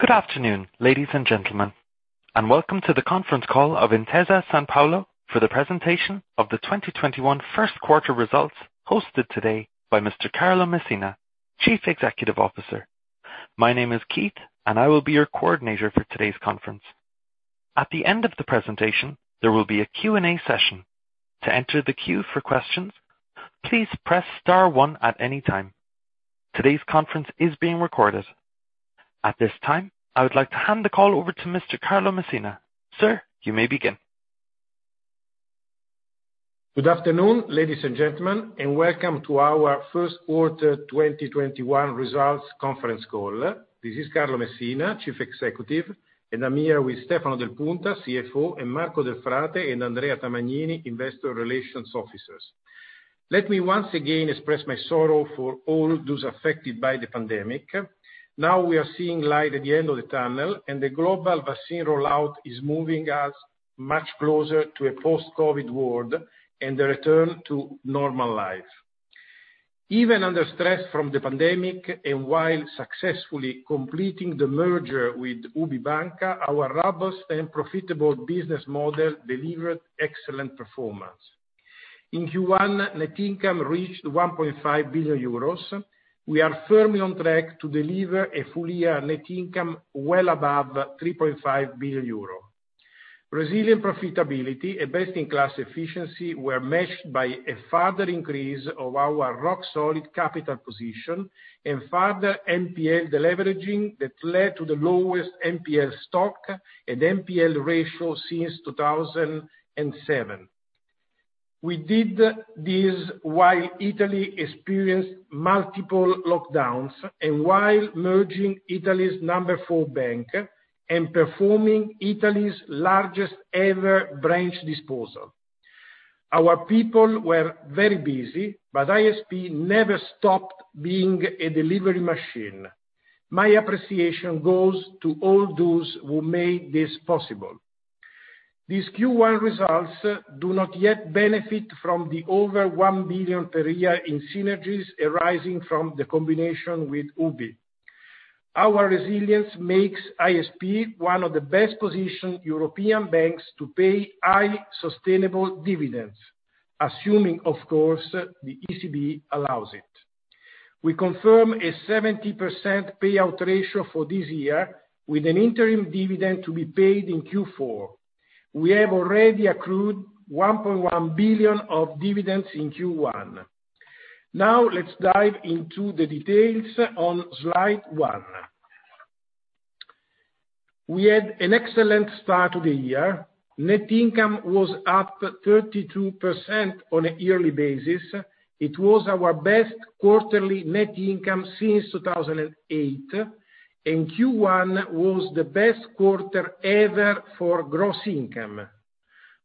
Good afternoon, ladies and gentlemen, and welcome to the conference call of Intesa Sanpaolo for the presentation of the 2021 first quarter results, hosted today by Mr. Carlo Messina, Chief Executive Officer. My name is Keith, and I will be your coordinator for today's conference. At the end of the presentation, there will be a Q&A session. To enter the queue for questions, please press star one at any time. Today's conference is being recorded. At this time, I would like to hand the call over to Mr. Carlo Messina. Sir, you may begin. Good afternoon, ladies and gentlemen, and welcome to our first quarter 2021 results conference call. This is Carlo Messina, Chief Executive, and I'm here with Stefano Del Punta, CFO, and Marco Delfrate and Andrea Tamagnini, Investor Relations Officers. Let me once again express my sorrow for all those affected by the pandemic. Now we are seeing light at the end of the tunnel, and the global vaccine rollout is moving us much closer to a post-COVID world and a return to normal life. Even under stress from the pandemic and while successfully completing the merger with UBI Banca, our robust and profitable business model delivered excellent performance. In Q1, net income reached 1.5 billion euros. We are firmly on track to deliver a full-year net income well above 3.5 billion euro. Resilient profitability and best-in-class efficiency were meshed by a further increase of our rock-solid capital position and further NPL deleveraging that led to the lowest NPL stock and NPL ratio since 2007. We did this while Italy experienced multiple lockdowns and while merging Italy's number 4 bank and performing Italy's largest ever branch disposal. Our people were very busy, but ISP never stopped being a delivery machine. My appreciation goes to all those who made this possible. These Q1 results do not yet benefit from the over 1 billion per year in synergies arising from the combination with UBI. Our resilience makes ISP one of the best-positioned European banks to pay high sustainable dividends, assuming, of course, the ECB allows it. We confirm a 70% payout ratio for this year with an interim dividend to be paid in Q4. We have already accrued 1.1 billion of dividends in Q1. Let's dive into the details on slide one. We had an excellent start to the year. Net income was up 32% on a yearly basis. It was our best quarterly net income since 2008, and Q1 was the best quarter ever for gross income.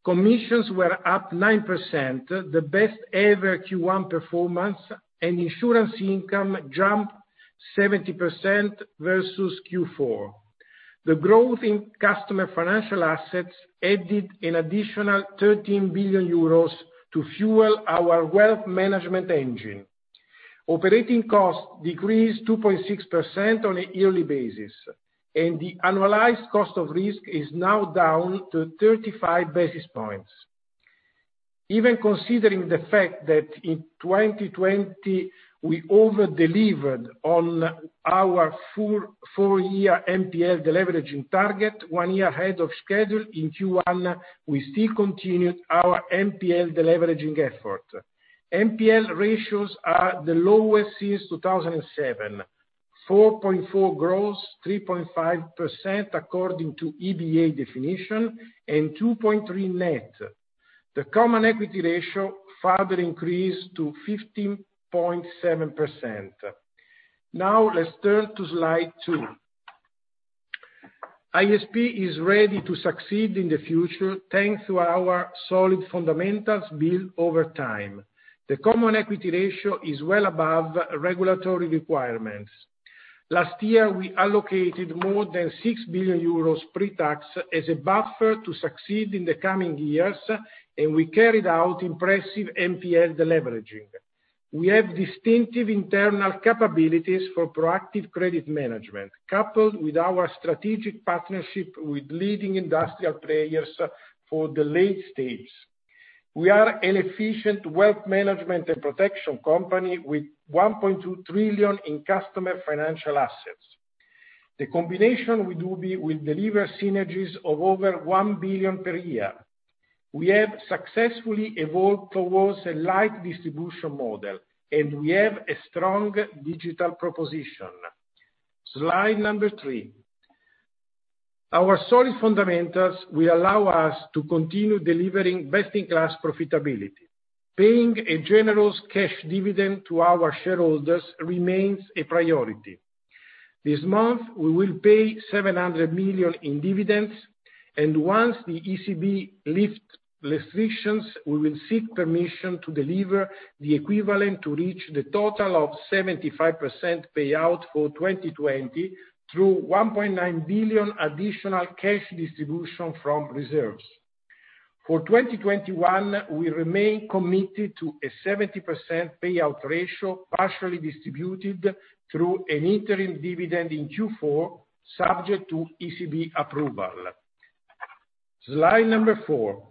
Commissions were up 9%, the best ever Q1 performance, and insurance income jumped 70% versus Q4. The growth in customer financial assets added an additional 13 billion euros to fuel our wealth management engine. Operating costs decreased 2.6% on a yearly basis. The annualized cost of risk is now down to 35 basis points. Even considering the fact that in 2020, we over-delivered on our full four-year NPL deleveraging target one year ahead of schedule, in Q1, we still continued our NPL deleveraging effort. NPL ratios are the lowest since 2007: 4.4% gross, 3.5% according to EBA definition, 2.3% net. The common equity ratio further increased to 15.7%. Let's turn to slide two. ISP is ready to succeed in the future thanks to our solid fundamentals built over time. The common equity ratio is well above regulatory requirements. Last year, we allocated more than 6 billion euros pre-tax as a buffer to succeed in the coming years, and we carried out impressive NPL deleveraging. We have distinctive internal capabilities for proactive credit management, coupled with our strategic partnership with leading industrial players for the late stage. We are an efficient wealth management and protection company with 1.2 trillion in customer financial assets. The combination with UBI will deliver synergies of over 1 billion per year. We have successfully evolved towards a light distribution model, and we have a strong digital proposition. Slide number three. Our solid fundamentals will allow us to continue delivering best-in-class profitability. Paying a generous cash dividend to our shareholders remains a priority. This month, we will pay 700 million in dividends, and once the ECB lift restrictions, we will seek permission to deliver the equivalent to reach the total of 75% payout for 2020 through 1.9 billion additional cash distribution from reserves. For 2021, we remain committed to a 70% payout ratio, partially distributed through an interim dividend in Q4, subject to ECB approval. Slide number four.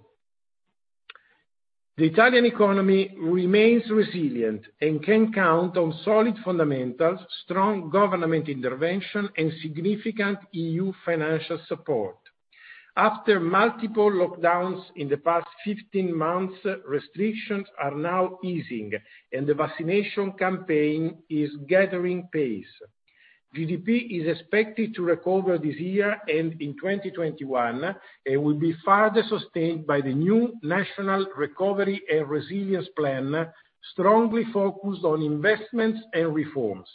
The Italian economy remains resilient and can count on solid fundamentals, strong government intervention, and significant EU financial support. After multiple lockdowns in the past 15 months, restrictions are now easing, and the vaccination campaign is gathering pace. GDP is expected to recover this year and in 2021, and will be further sustained by the new National Recovery and Resilience Plan, strongly focused on investments and reforms.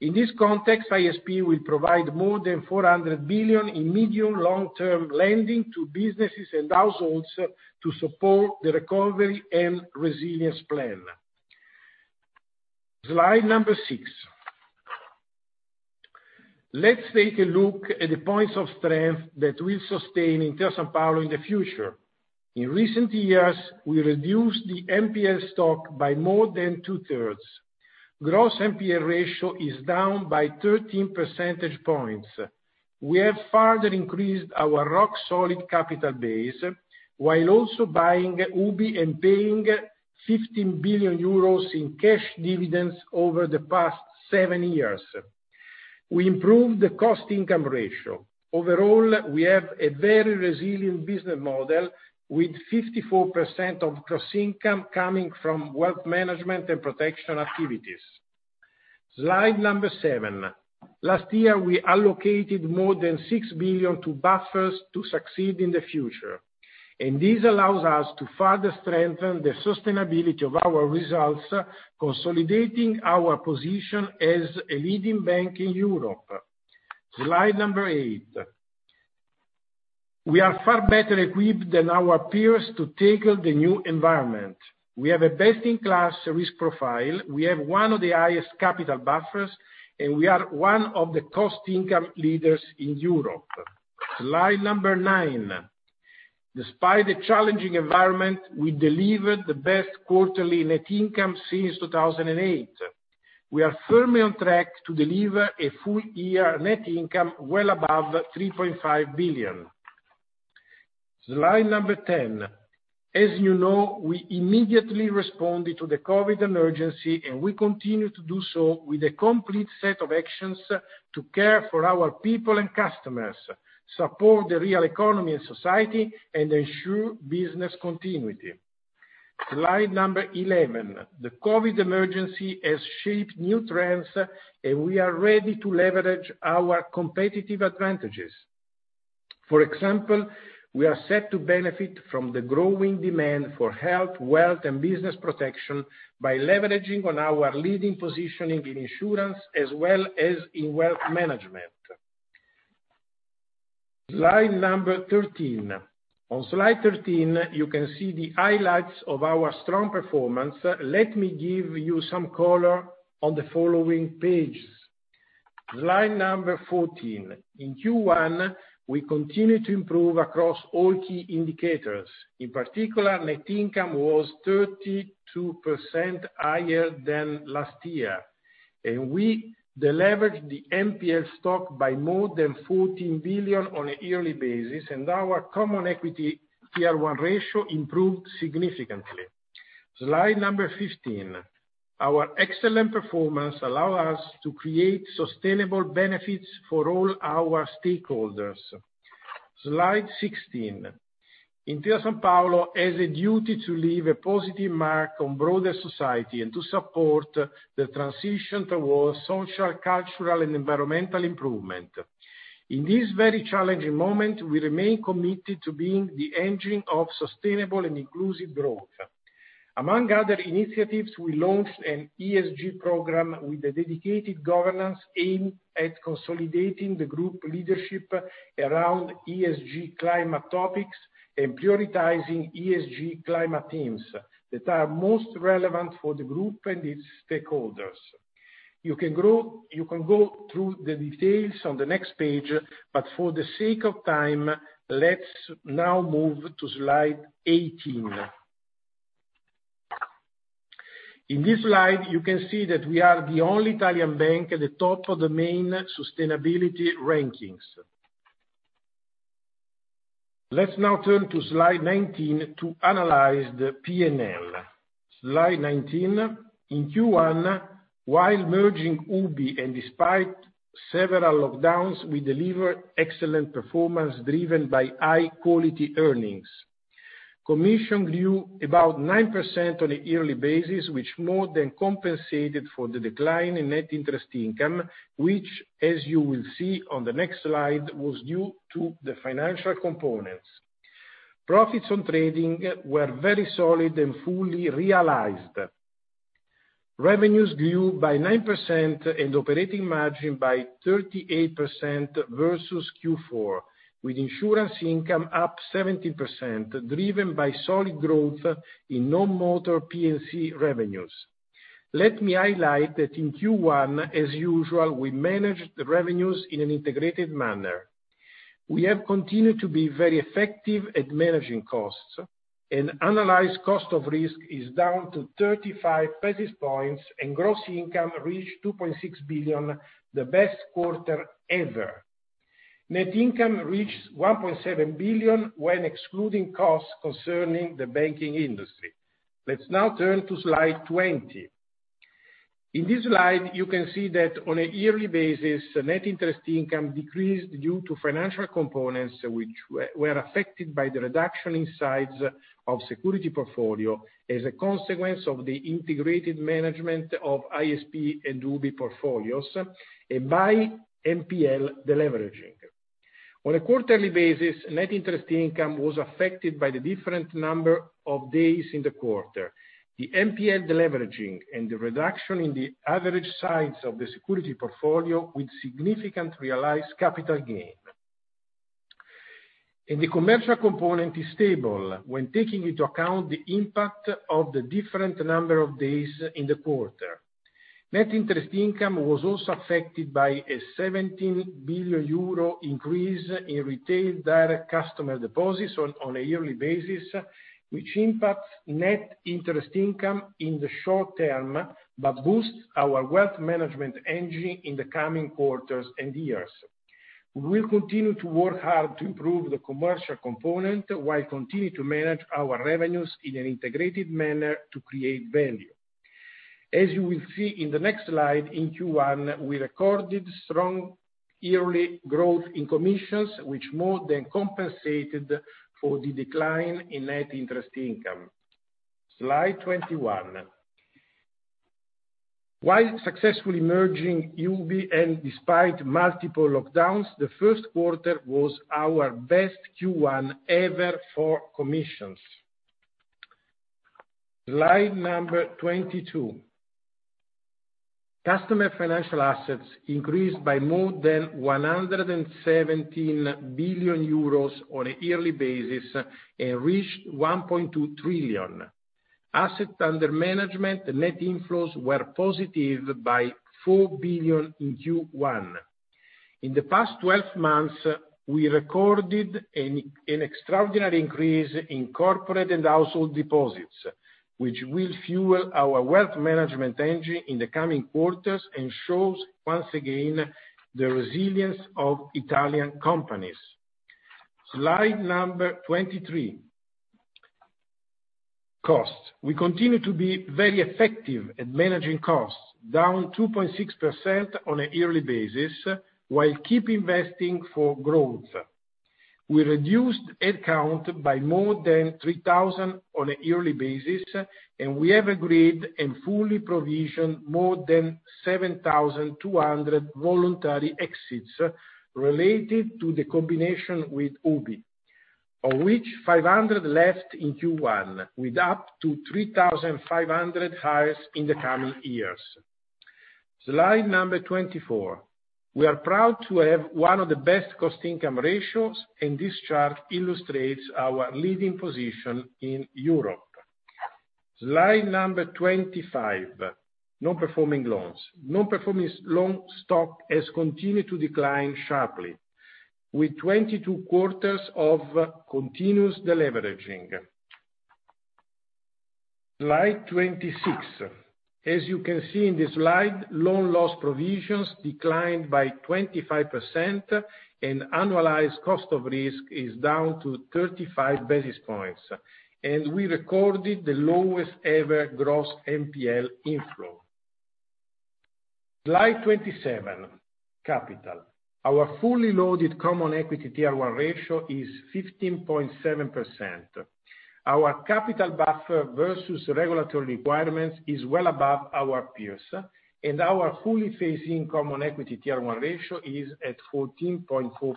In this context, ISP will provide more than 400 billion in medium long-term lending to businesses and households to support the recovery and resilience plan. Slide number 6. Let's take a look at the points of strength that will sustain Intesa Sanpaolo in the future. In recent years, we reduced the NPL stock by more than two-thirds. Gross NPL ratio is down by 13 percentage points. We have further increased our rock-solid capital base, while also buying UBI and paying 15 billion euros in cash dividends over the past seven years. We improved the cost-income ratio. Overall, we have a very resilient business model, with 54% of gross income coming from wealth management and protection activities. Slide number 7. Last year, we allocated more than 6 billion to buffers to succeed in the future. This allows us to further strengthen the sustainability of our results, consolidating our position as a leading bank in Europe. Slide number eight. We are far better equipped than our peers to tackle the new environment. We have a best-in-class risk profile, we have one of the highest capital buffers, and we are one of the cost-income leaders in Europe. Slide number nine. Despite the challenging environment, we delivered the best quarterly net income since 2008. We are firmly on track to deliver a full-year net income well above 3.5 billion. Slide number 10. As you know, we immediately responded to the COVID emergency, and we continue to do so with a complete set of actions to care for our people and customers, support the real economy and society, and ensure business continuity. Slide number 11. The COVID emergency has shaped new trends. We are ready to leverage our competitive advantages. For example, we are set to benefit from the growing demand for health, wealth, and business protection by leveraging on our leading positioning in insurance as well as in wealth management. Slide number 13. On Slide 13, you can see the highlights of our strong performance. Let me give you some color on the following pages. Slide number 14. In Q1, we continued to improve across all key indicators. In particular, net income was 32% higher than last year. We deleveraged the NPL stock by more than 14 billion on a yearly basis. Our common equity Tier 1 ratio improved significantly. Slide number 15. Our excellent performance allow us to create sustainable benefits for all our stakeholders. Slide 16. Intesa Sanpaolo has a duty to leave a positive mark on broader society and to support the transition towards social, cultural, and environmental improvement. In this very challenging moment, we remain committed to being the engine of sustainable and inclusive growth. Among other initiatives, we launched an ESG program with a dedicated governance aimed at consolidating the group leadership around ESG climate topics and prioritizing ESG climate themes that are most relevant for the group and its stakeholders. You can go through the details on the next page, but for the sake of time, let's now move to slide 18. In this slide, you can see that we are the only Italian bank at the top of the main sustainability rankings. Let's now turn to slide 19 to analyze the P&L. Slide 19. In Q1, while merging UBI and despite several lockdowns, we delivered excellent performance driven by high-quality earnings. Commission grew about 9% on a yearly basis, which more than compensated for the decline in net interest income, which, as you will see on the next slide, was due to the financial components. Profits on trading were very solid and fully realized. Revenues grew by 9% and operating margin by 38% versus Q4, with insurance income up 17%, driven by solid growth in non-motor P&C revenues. Let me highlight that in Q1, as usual, we managed the revenues in an integrated manner. We have continued to be very effective at managing costs, and annualized cost of risk is down to 35 basis points, and gross income reached 2.6 billion, the best quarter ever. Net income reached 1.7 billion when excluding costs concerning the banking industry. Let's now turn to slide 20. In this slide, you can see that on a yearly basis, net interest income decreased due to financial components, which were affected by the reduction in size of security portfolio as a consequence of the integrated management of ISP and UBI portfolios, and by NPL deleveraging. On a quarterly basis, net interest income was affected by the different number of days in the quarter, the NPL deleveraging, and the reduction in the average size of the security portfolio with significant realized capital gain. The commercial component is stable when taking into account the impact of the different number of days in the quarter. Net interest income was also affected by a 17 billion euro increase in retail direct customer deposits on a yearly basis, which impacts net interest income in the short term, but boosts our wealth management engine in the coming quarters and years. We will continue to work hard to improve the commercial component, while continuing to manage our revenues in an integrated manner to create value. As you will see in the next slide, in Q1, we recorded strong yearly growth in commissions, which more than compensated for the decline in net interest income. Slide 21. While successfully merging UBI and despite multiple lockdowns, the first quarter was our best Q1 ever for commissions. Slide number 22. Customer financial assets increased by more than 117 billion euros on a yearly basis and reached 1.2 trillion. Asset under management, net inflows were positive by 4 billion in Q1. In the past 12 months, we recorded an extraordinary increase in corporate and household deposits, which will fuel our wealth management engine in the coming quarters and shows once again the resilience of Italian companies. Slide number 23. Costs. We continue to be very effective at managing costs, down 2.6% on a yearly basis, while keep investing for growth. We reduced head count by more than 3,000 on a yearly basis, and we have agreed and fully provisioned more than 7,200 voluntary exits related to the combination with UBI, of which 500 left in Q1, with up to 3,500 hires in the coming years. Slide number 24. We are proud to have one of the best cost-income ratios, and this chart illustrates our leading position in Europe. Slide number 25. Non-performing loans. Non-performing loans stock has continued to decline sharply, with 22 quarters of continuous deleveraging. Slide 26. As you can see in the slide, loan loss provisions declined by 25%, and annualized cost of risk is down to 35 basis points. We recorded the lowest ever gross NPL inflow. Slide 27. Capital. Our fully loaded common equity Tier 1 ratio is 15.7%. Our capital buffer versus regulatory requirements is well above our peers, and our fully phased-in common equity Tier 1 ratio is at 14.4%.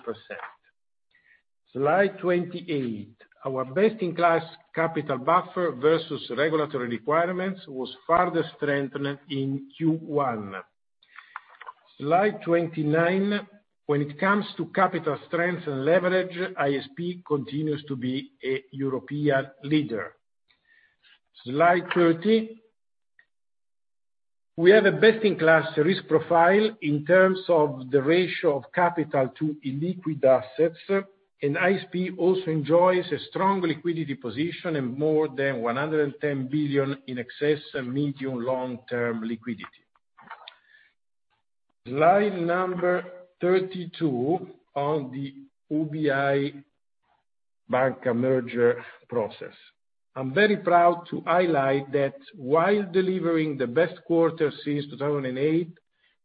Slide 28. Our best-in-class capital buffer versus regulatory requirements was further strengthened in Q1. Slide 29. When it comes to capital strength and leverage, ISP continues to be a European leader. Slide 30. We have a best-in-class risk profile in terms of the ratio of capital to illiquid assets, and ISP also enjoys a strong liquidity position and more than 110 billion in excess and medium long-term liquidity. Slide number 32 on the UBI Banca merger process. I'm very proud to highlight that while delivering the best quarter since 2008,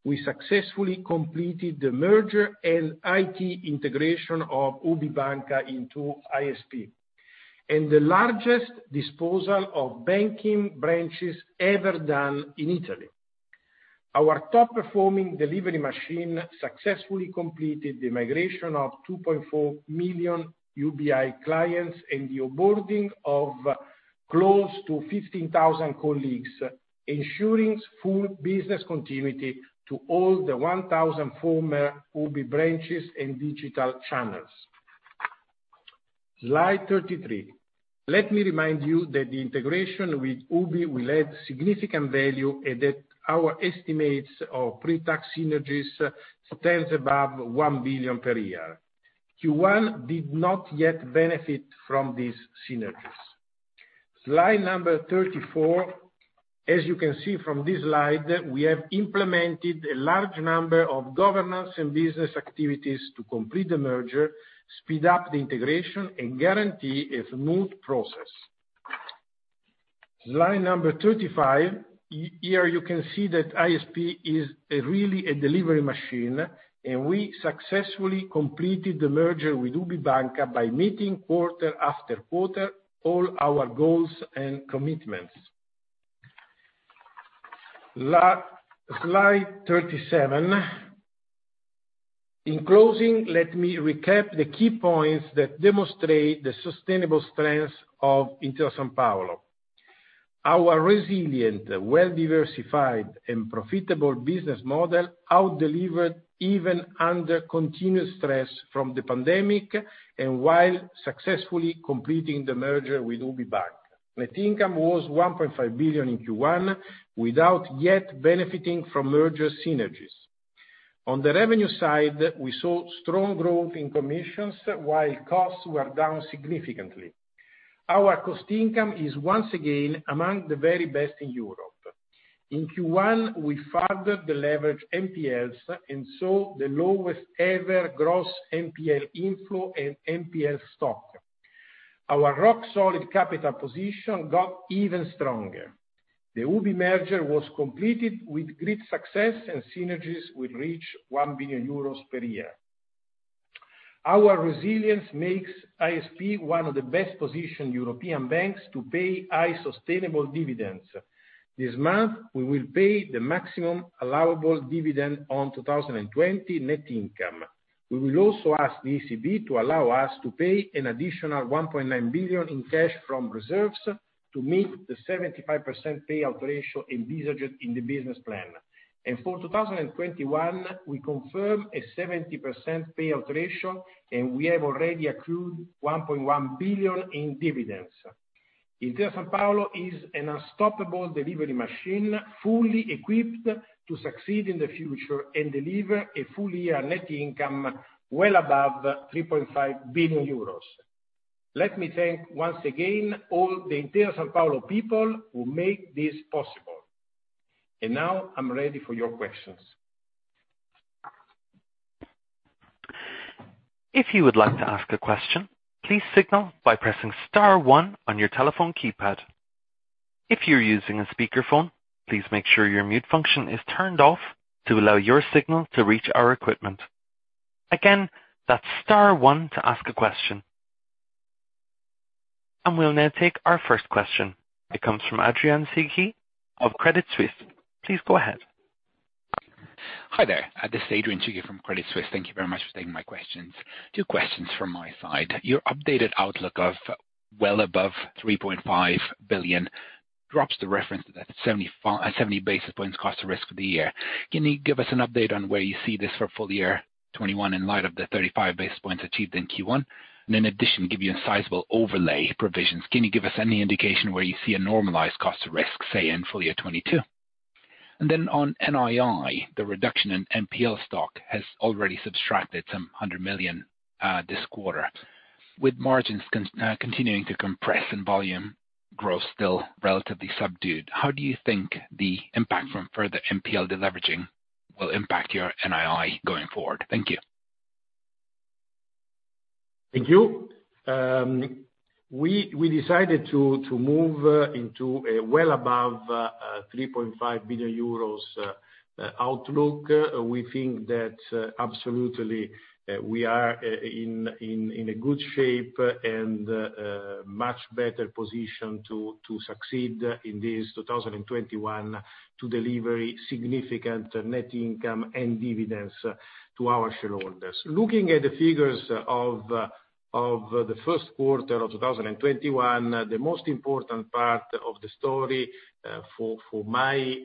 we successfully completed the merger and IT integration of UBI Banca into ISP, and the largest disposal of banking branches ever done in Italy. Our top-performing delivery machine successfully completed the migration of 2.4 million UBI clients and the onboarding of close to 15,000 colleagues, ensuring full business continuity to all the 1,000 former UBI branches and digital channels. Slide 33. Let me remind you that the integration with UBI will add significant value, and that our estimates of pre-tax synergies stands above 1 billion per year. Q1 did not yet benefit from these synergies. Slide number 34. As you can see from this slide, we have implemented a large number of governance and business activities to complete the merger, speed up the integration, and guarantee a smooth process. Slide number 35. Here you can see that ISP is really a delivery machine, and we successfully completed the merger with UBI Banca by meeting quarter after quarter all our goals and commitments. Slide 37. In closing, let me recap the key points that demonstrate the sustainable strengths of Intesa Sanpaolo. Our resilient, well-diversified, and profitable business model out-delivered even under continuous stress from the pandemic, and while successfully completing the merger with UBI Banca. Net income was 1.5 billion in Q1, without yet benefiting from merger synergies. On the revenue side, we saw strong growth in commissions while costs were down significantly. Our cost income is once again among the very best in Europe. In Q1, we further leveraged NPLs and saw the lowest ever gross NPL inflow and NPL stock. Our rock-solid capital position got even stronger. The UBI merger was completed with great success, and synergies will reach 1 billion euros per year. Our resilience makes ISP one of the best-positioned European banks to pay high sustainable dividends. This month, we will pay the maximum allowable dividend on 2020 net income. We will also ask the ECB to allow us to pay an additional 1.9 billion in cash from reserves to meet the 75% payout ratio envisaged in the business plan. For 2021, we confirm a 70% payout ratio, and we have already accrued 1.1 billion in dividends. Intesa Sanpaolo is an unstoppable delivery machine, fully equipped to succeed in the future and deliver a full-year net income well above 3.5 billion euros. Let me thank once again all the Intesa Sanpaolo people who made this possible. Now I'm ready for your questions. If you would like to ask a question, please signal by pressing star one on your telephone keypad. If you're using a speakerphone, please make sure your mute function is turned off to allow your signal to reach our equipment. Again, that's star one to ask a question. We'll now take our first question. It comes from Adrian Cighi of Credit Suisse. Please go ahead. Hi there. This is Adrian Cighi from Credit Suisse. Thank you very much for taking my questions. Two questions from my side. Your updated outlook of well above 3.5 billion drops the reference that 70 basis points cost to risk for the year. Can you give us an update on where you see this for full year 2021 in light of the 35 basis points achieved in Q1? In addition, given your sizable overlay provisions. Can you give us any indication where you see a normalized cost to risk, say in full year 2022? On NII, the reduction in NPL stock has already subtracted some 100 million this quarter. With margins continuing to compress and volume growth still relatively subdued, how do you think the impact from further NPL deleveraging will impact your NII going forward? Thank you. Thank you. We decided to move into a well above 3.5 billion euros outlook. We think that absolutely we are in a good shape and a much better position to succeed in this 2021 to deliver significant net income and dividends to our shareholders. Looking at the figures of the first quarter of 2021, the most important part of the story, for my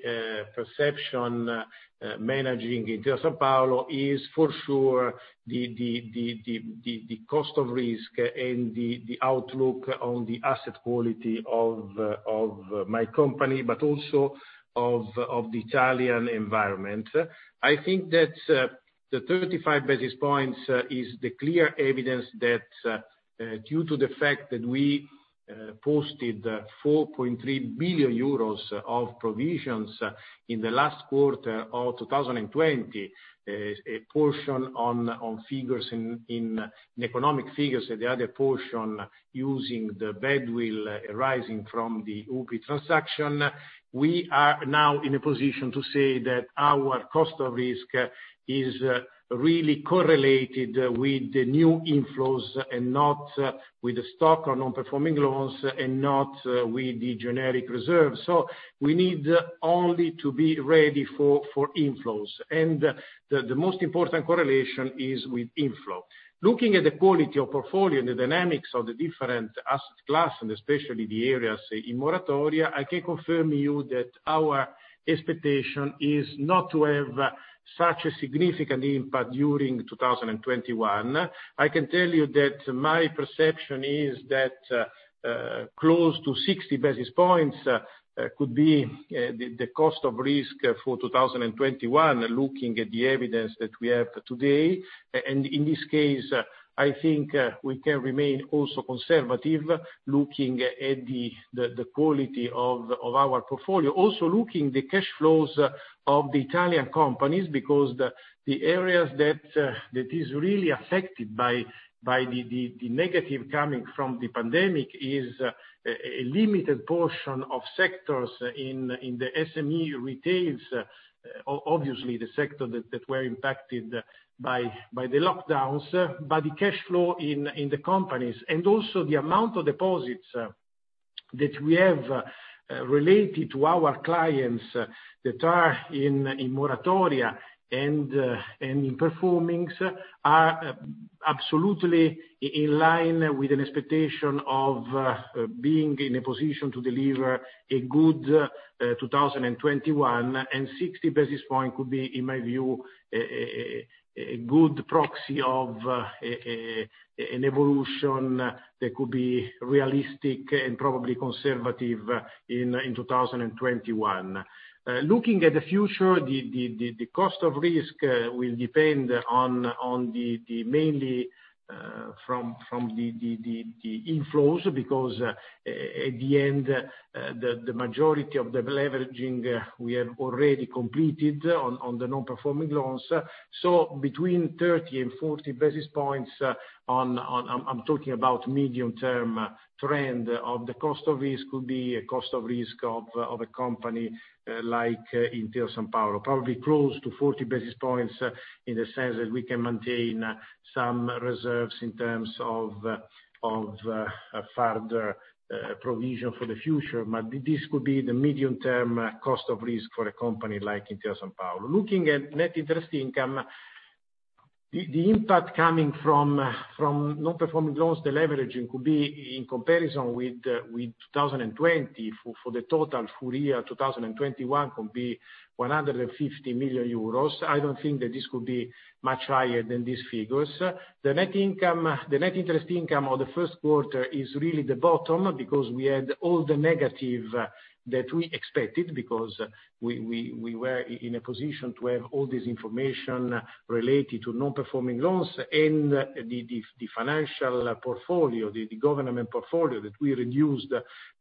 perception managing Intesa Sanpaolo, is for sure the cost of risk and the outlook on the asset quality of my company, but also of the Italian environment. I think that the 35 basis points is the clear evidence that due to the fact that we posted 4.3 billion euros of provisions in the last quarter of 2020, a portion on economic figures, and the other portion using the bad will arising from the UBI transaction. We are now in a position to say that our cost of risk is really correlated with the new inflows and not with the stock or non-performing loans and not with the generic reserves. We need only to be ready for inflows. The most important correlation is with inflow. Looking at the quality of portfolio and the dynamics of the different asset class, and especially the areas in moratoria, I can confirm you that our expectation is not to have such a significant impact during 2021. I can tell you that my perception is that close to 60 basis points could be the cost of risk for 2021, looking at the evidence that we have today. In this case, I think we can remain also conservative looking at the quality of our portfolio. Also looking the cash flows of the Italian companies, because the areas that is really affected by the negative coming from the pandemic is a limited portion of sectors in the SME retails, obviously the sector that were impacted by the lockdowns. The cash flow in the companies and also the amount of deposits that we have related to our clients that are in moratoria and in performings are absolutely in line with an expectation of being in a position to deliver a good 2021, and 60 basis point could be, in my view, a good proxy of an evolution that could be realistic and probably conservative in 2021. Looking at the future, the cost of risk will depend mainly from the inflows, because at the end, the majority of the leveraging we have already completed on the non-performing loans. Between 30 and 40 basis points, I'm talking about medium-term trend of the cost of risk, could be a cost of risk of a company like Intesa Sanpaolo. Probably close to 40 basis points in the sense that we can maintain some reserves in terms of a further provision for the future. This could be the medium-term cost of risk for a company like Intesa Sanpaolo. Looking at net interest income, the impact coming from non-performing loans deleveraging could be, in comparison with 2020, for the total full year 2021, could be 150 million euros. I don't think that this could be much higher than these figures. The net interest income of the first quarter is really the bottom because we had all the negative that we expected because we were in a position to have all this information related to non-performing loans and the financial portfolio, the government portfolio that we reduced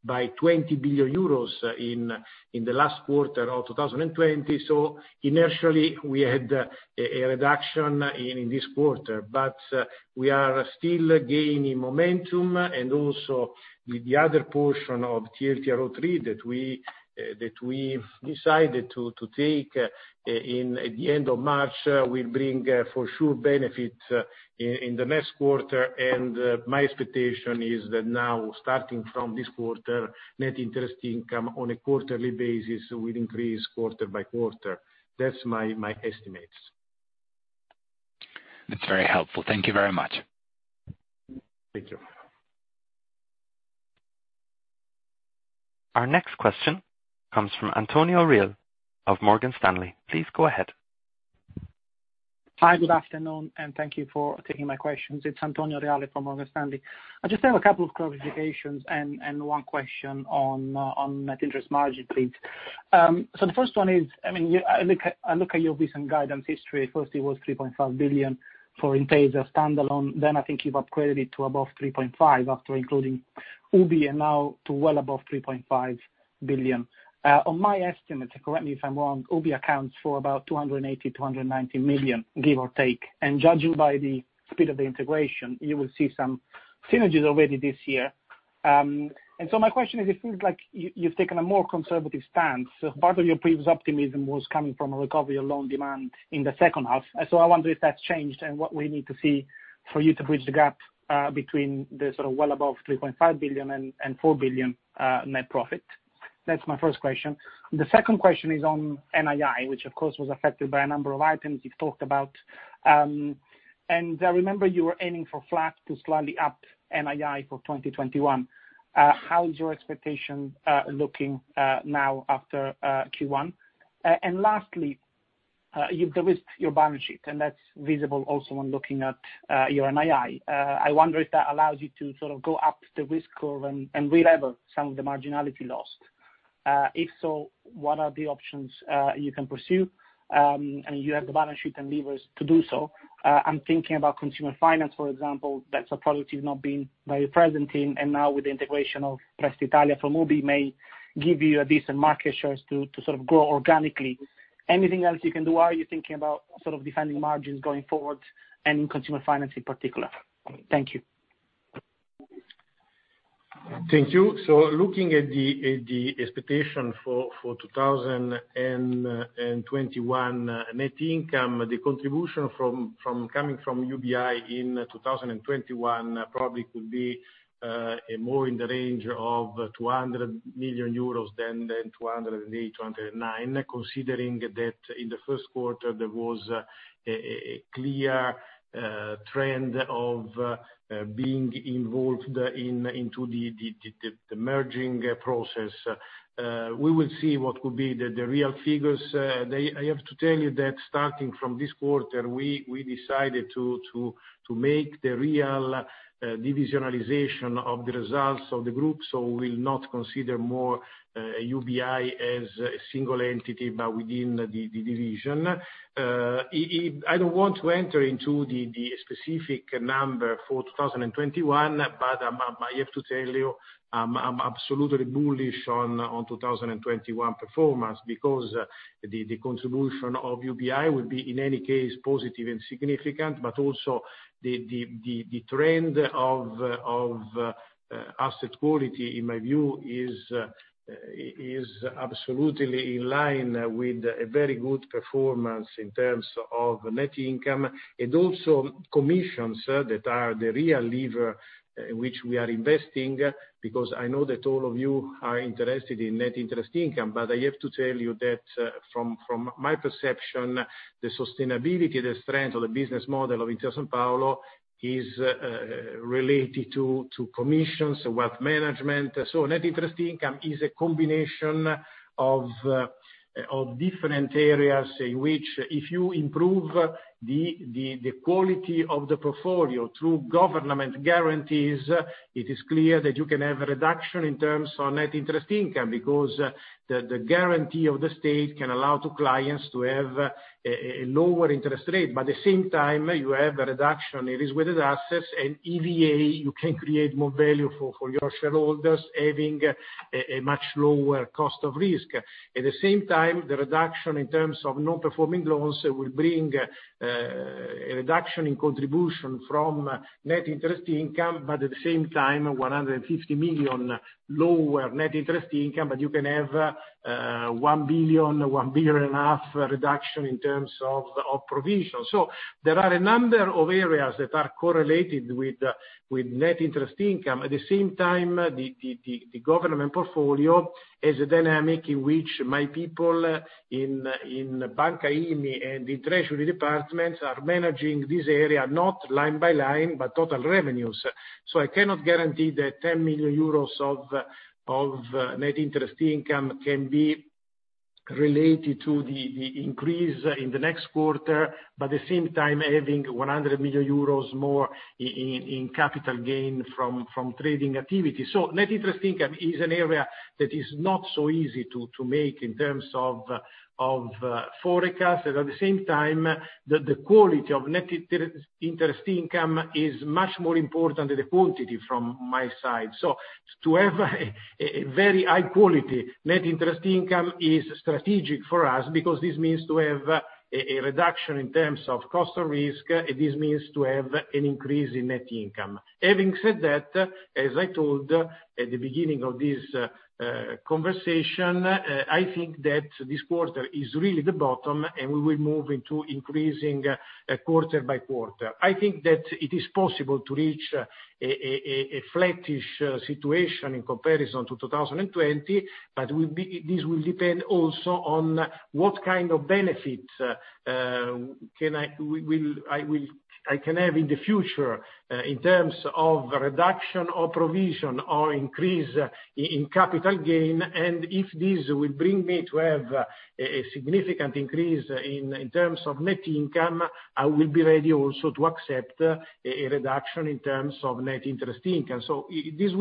by 20 billion euros in the last quarter of 2020. Initially we had a reduction in this quarter. We are still gaining momentum and also with the other portion of TLTRO III that we've decided to take in at the end of March will bring for sure benefit in the next quarter. My expectation is that now starting from this quarter, net interest income on a quarterly basis will increase quarter by quarter. That's my estimates. That's very helpful. Thank you very much. Thank you. Our next question comes from Antonio Reale of Morgan Stanley. Please go ahead. Hi, good afternoon, and thank you for taking my questions. It's Antonio Reale from Morgan Stanley. I just have a couple of clarifications and one question on net interest margin, please. The first one is, I look at your recent guidance history. First it was 3.5 billion for Intesa standalone, then I think you've upgraded it to above 3.5 after including UBI, and now to well above 3.5 billion. On my estimate, correct me if I'm wrong, UBI accounts for about 280 million, 290 million, give or take. Judging by the speed of the integration, you will see some synergies already this year. My question is, it seems like you've taken a more conservative stance. Part of your previous optimism was coming from a recovery of loan demand in the second half. I wonder if that's changed and what we need to see for you to bridge the gap between the sort of well above 3.5 billion and 4 billion net profit. That's my first question. The second question is on NII, which of course was affected by a number of items you've talked about. I remember you were aiming for flat to slightly up NII for 2021. How is your expectation looking now after Q1? Lastly, you've de-risked your balance sheet, and that's visible also when looking at your NII. I wonder if that allows you to sort of go up the risk curve and relever some of the marginality lost. If so, what are the options you can pursue? You have the balance sheet and levers to do so. I'm thinking about consumer finance, for example. That's a product you've not been very present in, and now with the integration of Prestitalia for UBI may give you a decent market share to sort of grow organically. Anything else you can do? Are you thinking about defending margins going forward and in consumer finance in particular? Thank you. Thank you. Looking at the expectation for 2021 net income, the contribution coming from UBI in 2021 probably could be more in the range of 200 million euros than 208 million, 209 million, considering that in the first quarter there was a clear trend of being involved into the merging process. We will see what could be the real figures. I have to tell you that starting from this quarter, we decided to make the real divisionalization of the results of the group. We'll not consider more UBI as a single entity, but within the division. I don't want to enter into the specific number for 2021, but I have to tell you, I'm absolutely bullish on 2021 performance because the contribution of UBI will be, in any case, positive and significant, but also the trend of asset quality, in my view, is absolutely in line with a very good performance in terms of net income and also commissions that are the real lever which we are investing, because I know that all of you are interested in net interest income. I have to tell you that from my perception, the sustainability, the strength of the business model of Intesa Sanpaolo is related to commissions, wealth management. Net interest income is a combination of different areas in which if you improve the quality of the portfolio through government guarantees, it is clear that you can have a reduction in terms of net interest income, because the guarantee of the state can allow to clients to have a lower interest rate. At the same time, you have a reduction, it is with assets and EVA, you can create more value for your shareholders, having a much lower cost of risk. At the same time, the reduction in terms of non-performing loans will bring a reduction in contribution from net interest income, but at the same time, 150 million lower net interest income, but you can have 1.5 Billion reduction in terms of provision. There are a number of areas that are correlated with net interest income. The government portfolio is a dynamic in which my people in Banca IMI and the treasury departments are managing this area, not line by line, but total revenues. I cannot guarantee that 10 million euros of net interest income can be related to the increase in the next quarter, but at the same time, having 100 million euros more in capital gain from trading activity. Net interest income is an area that is not so easy to make in terms of forecast. The quality of net interest income is much more important than the quantity from my side. To have a very high quality net interest income is strategic for us because this means to have a reduction in terms of cost of risk. This means to have an increase in net income. Having said that, as I told at the beginning of this conversation, I think that this quarter is really the bottom. We will move into increasing quarter by quarter. I think that it is possible to reach a flattish situation in comparison to 2020. This will depend also on what kind of benefit I can have in the future, in terms of reduction of provision or increase in capital gain. If this will bring me to have a significant increase in terms of net income, I will be ready also to accept a reduction in terms of net interest income. This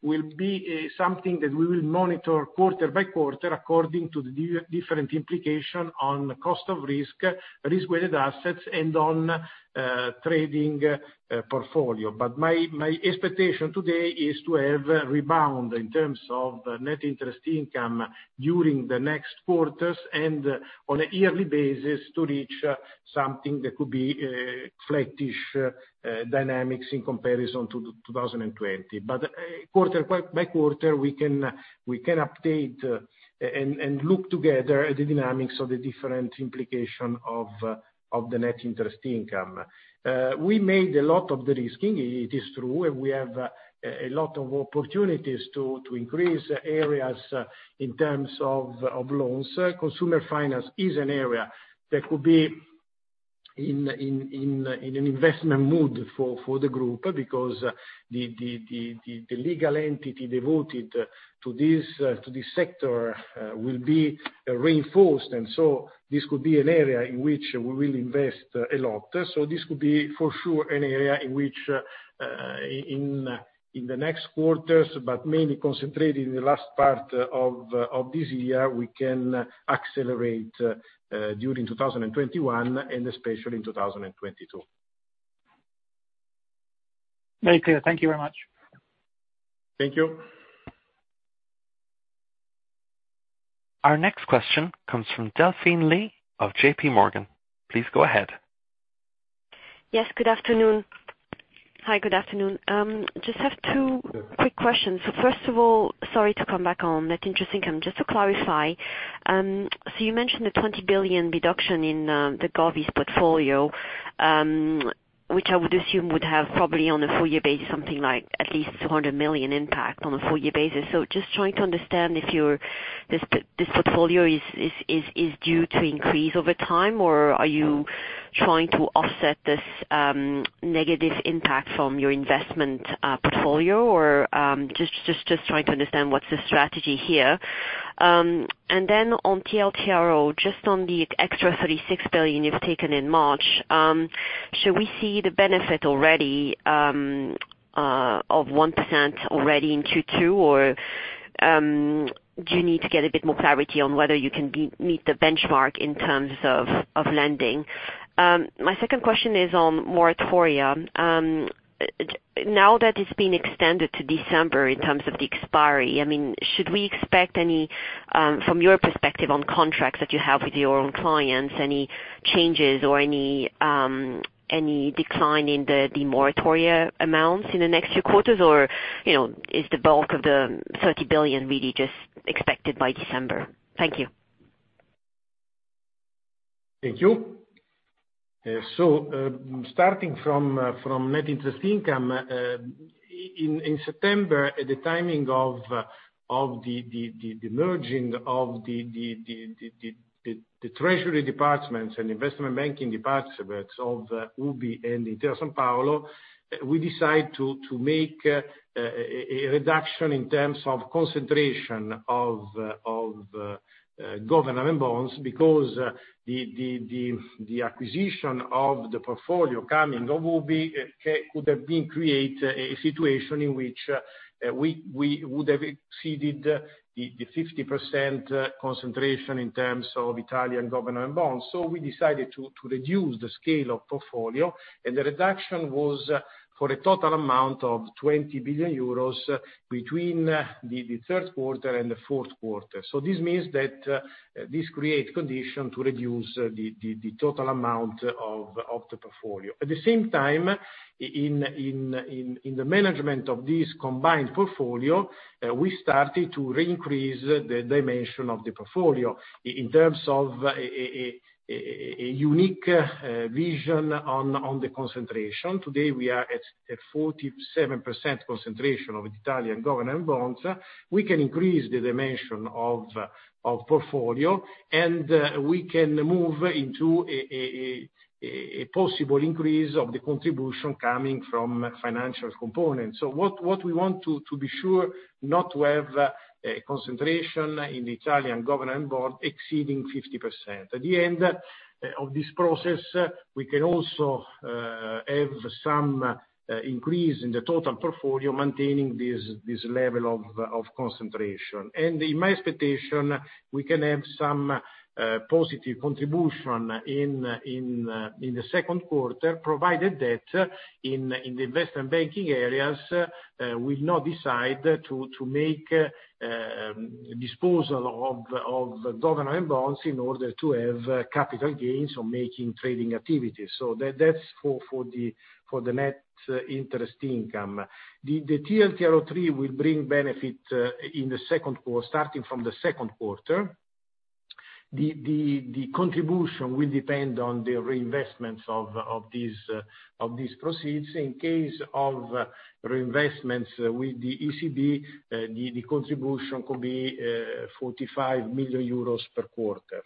will be something that we will monitor quarter by quarter, according to the different implication on cost of risk-weighted assets, and on trading portfolio. My expectation today is to have rebound in terms of net interest income during the next quarters, and on a yearly basis to reach something that could be flattish dynamics in comparison to 2020. Quarter by quarter, we can update and look together at the dynamics of the different implication of the net interest income. We made a lot of de-risking, it is true, and we have a lot of opportunities to increase areas in terms of loans. Consumer finance is an area that could be in an investment mood for the group because the legal entity devoted to this sector will be reinforced, and so this could be an area in which we will invest a lot. This could be, for sure, an area in which in the next quarters, but mainly concentrated in the last part of this year, we can accelerate during 2021 and especially in 2022. Very clear. Thank you very much. Thank you. Our next question comes from Delphine Lee of JPMorgan. Please go ahead. Yes, good afternoon. Hi, good afternoon. Just have two quick questions. First of all, sorry to come back on net interest income. Just to clarify, you mentioned the 20 billion reduction in the Govies portfolio, which I would assume would have probably on a full year basis, something like at least 200 million impact on a full year basis. Just trying to understand if this portfolio is due to increase over time, or are you trying to offset this negative impact from your investment portfolio, or just trying to understand what's the strategy here. On TLTRO, just on the extra 36 billion you've taken in March, should we see the benefit already of 1% already in Q2, or do you need to get a bit more clarity on whether you can meet the benchmark in terms of lending? My second question is on moratoria. That it's been extended to December in terms of the expiry, should we expect any, from your perspective on contracts that you have with your own clients, any changes or any decline in the moratoria amounts in the next few quarters, or is the bulk of the 30 billion really just expected by December? Thank you. Thank you. Starting from net interest income, in September, the timing of the merging of the Treasury departments and investment banking departments of UBI and Intesa Sanpaolo, we decide to make a reduction in terms of concentration of government bonds, because the acquisition of the portfolio coming could have been create a situation in which we would have exceeded the 50% concentration in terms of Italian government bonds. We decided to reduce the scale of portfolio, and the reduction was for a total amount of 20 billion euros between the third quarter and the fourth quarter. This means that this creates condition to reduce the total amount of the portfolio. At the same time, in the management of this combined portfolio, we started to re-increase the dimension of the portfolio in terms of a unique vision on the concentration. Today, we are at 47% concentration of Italian government bonds. We can increase the dimension of portfolio, and we can move into a possible increase of the contribution coming from financial components. What we want to be sure, not to have a concentration in the Italian government bond exceeding 50%. At the end of this process, we can also have some increase in the total portfolio maintaining this level of concentration. In my expectation, we can have some positive contribution in the second quarter, provided that in the investment banking areas, we now decide to make disposal of government bonds in order to have capital gains or making trading activities. That's for the net interest income. The TLTRO III will bring benefit starting from the second quarter. The contribution will depend on the reinvestments of these proceeds. In case of reinvestments with the ECB, the contribution could be 45 million euros per quarter.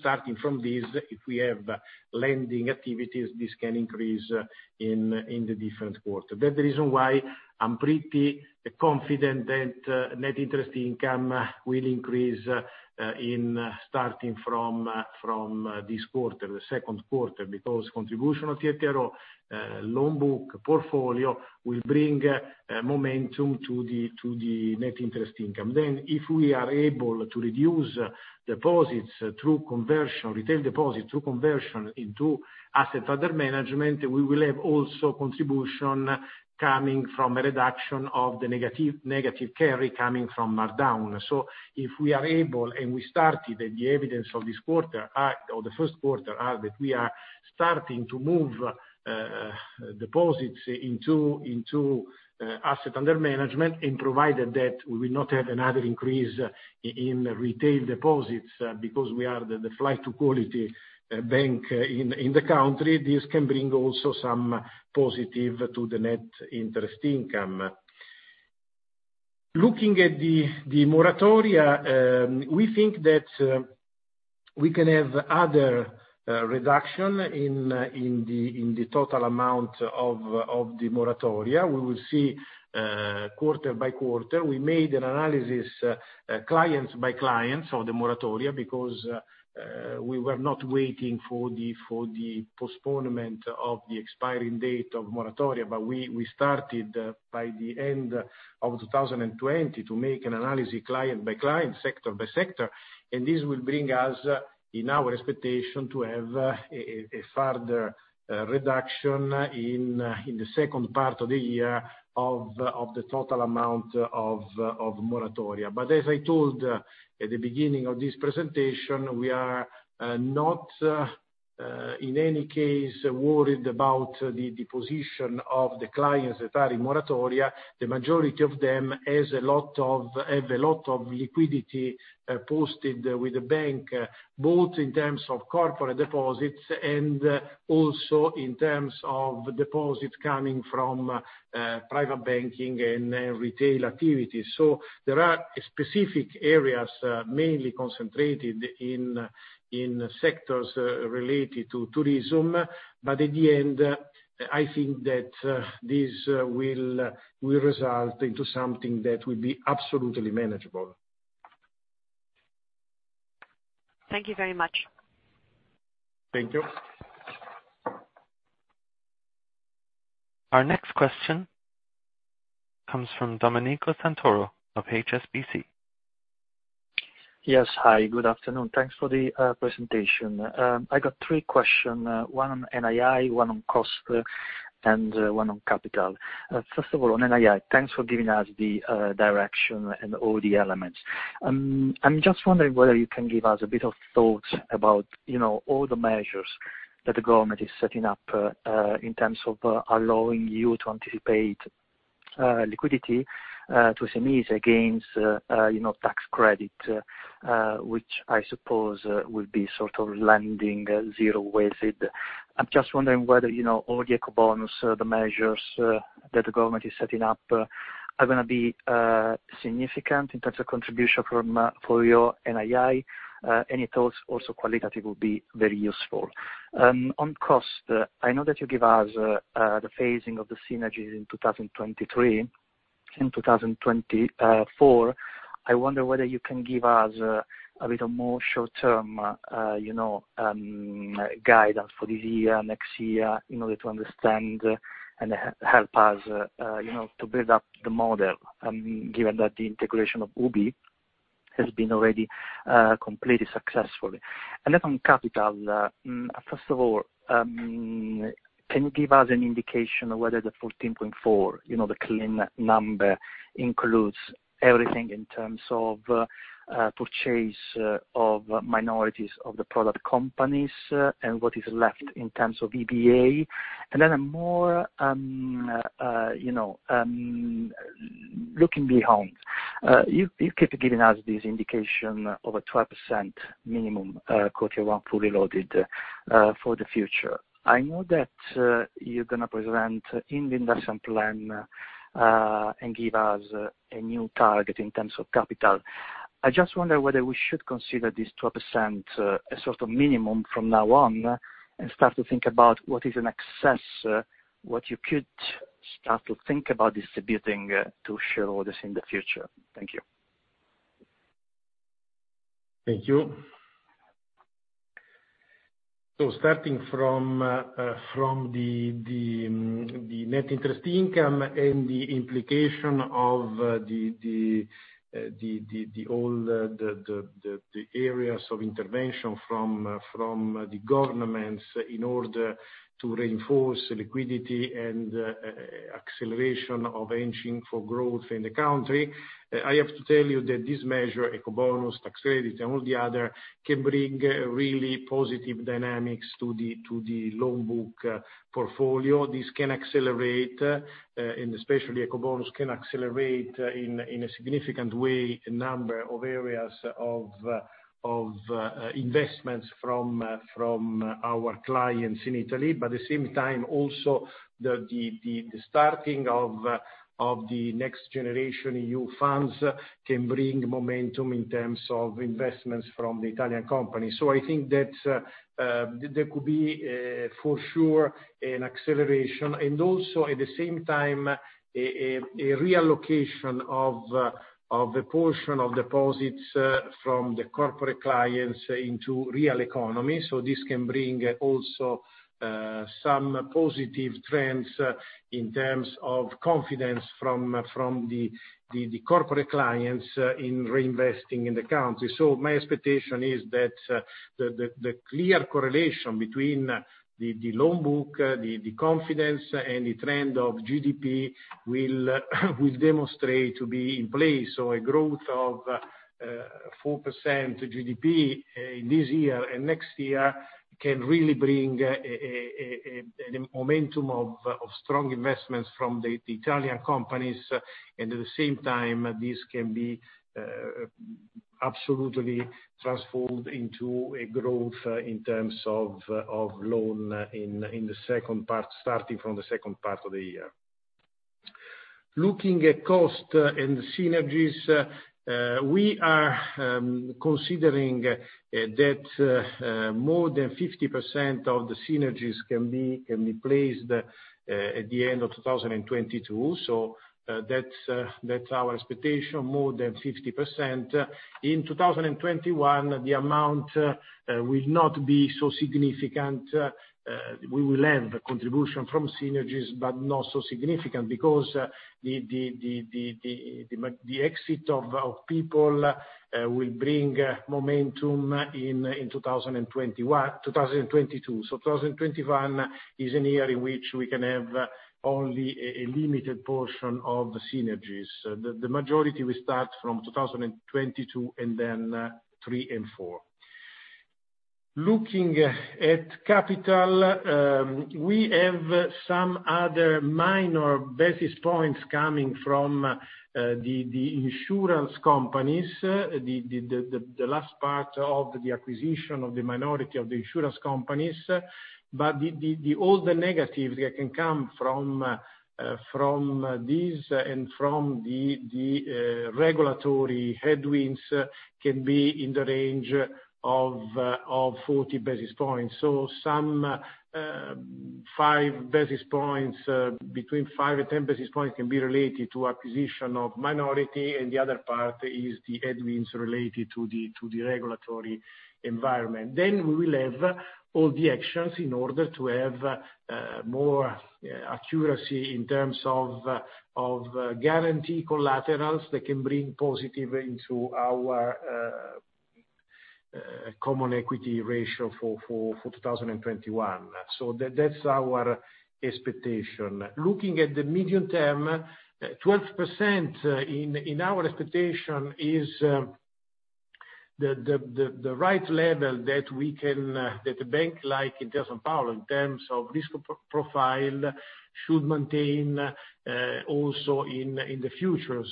Starting from this, if we have lending activities, this can increase in the different quarter. That the reason why I'm pretty confident that net interest income will increase in starting from this quarter, the second quarter, because contribution of TLTRO loan book portfolio will bring momentum to the net interest income. If we are able to reduce retail deposits through conversion into asset under management, we will have also contribution coming from a reduction of the negative carry coming from markdown. If we are able, and we started the evidence of this quarter, or the first quarter, that we are starting to move deposits into asset under management, and provided that we will not have another increase in retail deposits because we are the flight to quality bank in the country. This can bring also some positive to the net interest income. Looking at the moratoria, we think that we can have other reduction in the total amount of the moratoria. We will see quarter by quarter. We made an analysis, clients by clients of the moratoria, because we were not waiting for the postponement of the expiring date of moratoria, but we started by the end of 2020 to make an analysis client-by-client, sector by sector. This will bring us, in our expectation, to have a further reduction in the second part of the year of the total amount of moratoria. As I told at the beginning of this presentation, we are not in any case worried about the position of the clients that are in moratoria. The majority of them have a lot of liquidity posted with the bank, both in terms of corporate deposits and also in terms of deposits coming from private banking and retail activities. There are specific areas mainly concentrated in sectors related to tourism. At the end, I think that this will result into something that will be absolutely manageable. Thank you very much. Thank you. Our next question comes from Domenico Santoro of HSBC. Yes. Hi, good afternoon. Thanks for the presentation. I got three questions, one on NII, one on cost, and one on capital. First of all, on NII, thanks for giving us the direction and all the elements. I'm just wondering whether you can give us a bit of thoughts about all the measures that the government is setting up, in terms of allowing you to anticipate liquidity to SMEs against tax credit, which I suppose will be lending zero weighted. I'm just wondering whether all the Ecobonus, the measures that the government is setting up are going to be significant in terms of contribution for your NII. Any thoughts, also qualitative, would be very useful. On cost, I know that you give us the phasing of the synergies in 2023 and 2024. I wonder whether you can give us a bit of more short-term guidance for this year, next year, in order to understand and help us to build up the model, given that the integration of UBI has been already completely successful. On capital. First of all, can you give us an indication of whether the 14.4, the clean number, includes everything in terms of purchase of minorities of the product companies and what is left in terms of EBA? More, looking beyond, you keep giving us this indication of a 12% minimum CET1 fully loaded for the future. I know that you're going to present in the investment plan, and give us a new target in terms of capital. I just wonder whether we should consider this 12% a sort of minimum from now on, start to think about what is in excess, what you could start to think about distributing to shareholders in the future. Thank you. Thank you. Starting from the net interest income and the implication of all the areas of intervention from the governments in order to reinforce liquidity and acceleration of engine for growth in the country, I have to tell you that this measure, Ecobonus, tax credit, and all the other, can bring really positive dynamics to the loan book portfolio. This can accelerate, and especially Ecobonus can accelerate in a significant way, a number of areas of investments from our clients in Italy. At the same time also, the starting of the NextGenerationEU funds can bring momentum in terms of investments from the Italian company. I think that there could be for sure an acceleration, and also at the same time, a reallocation of the portion of deposits from the corporate clients into real economy. This can bring also some positive trends in terms of confidence from the corporate clients in reinvesting in the country. My expectation is that the clear correlation between the loan book, the confidence, and the trend of GDP will demonstrate to be in place. A growth of 4% GDP this year and next year can really bring a momentum of strong investments from the Italian companies. At the same time, this can be absolutely transformed into a growth in terms of loan starting from the second part of the year. Looking at cost and synergies, we are considering that more than 50% of the synergies can be placed at the end of 2022. That's our expectation, more than 50%. In 2021, the amount will not be so significant. We will have a contribution from synergies, but not so significant because the exit of our people will bring momentum in 2022. 2021 is a year in which we can have only a limited portion of the synergies. The majority will start from 2022 and then three and four. Looking at capital, we have some other minor basis points coming from the insurance companies, the last part of the acquisition of the minority of the insurance companies. All the negatives that can come from this and from the regulatory headwinds can be in the range of 40 basis points. Between five and 10 basis points can be related to acquisition of minority, and the other part is the headwinds related to the regulatory environment. We will have all the actions in order to have more accuracy in terms of guarantee collaterals that can bring positive into our common equity ratio for 2021. That's our expectation. Looking at the medium term, 12% in our expectation is the right level that a bank like Intesa Sanpaolo, in terms of risk profile, should maintain also in the future.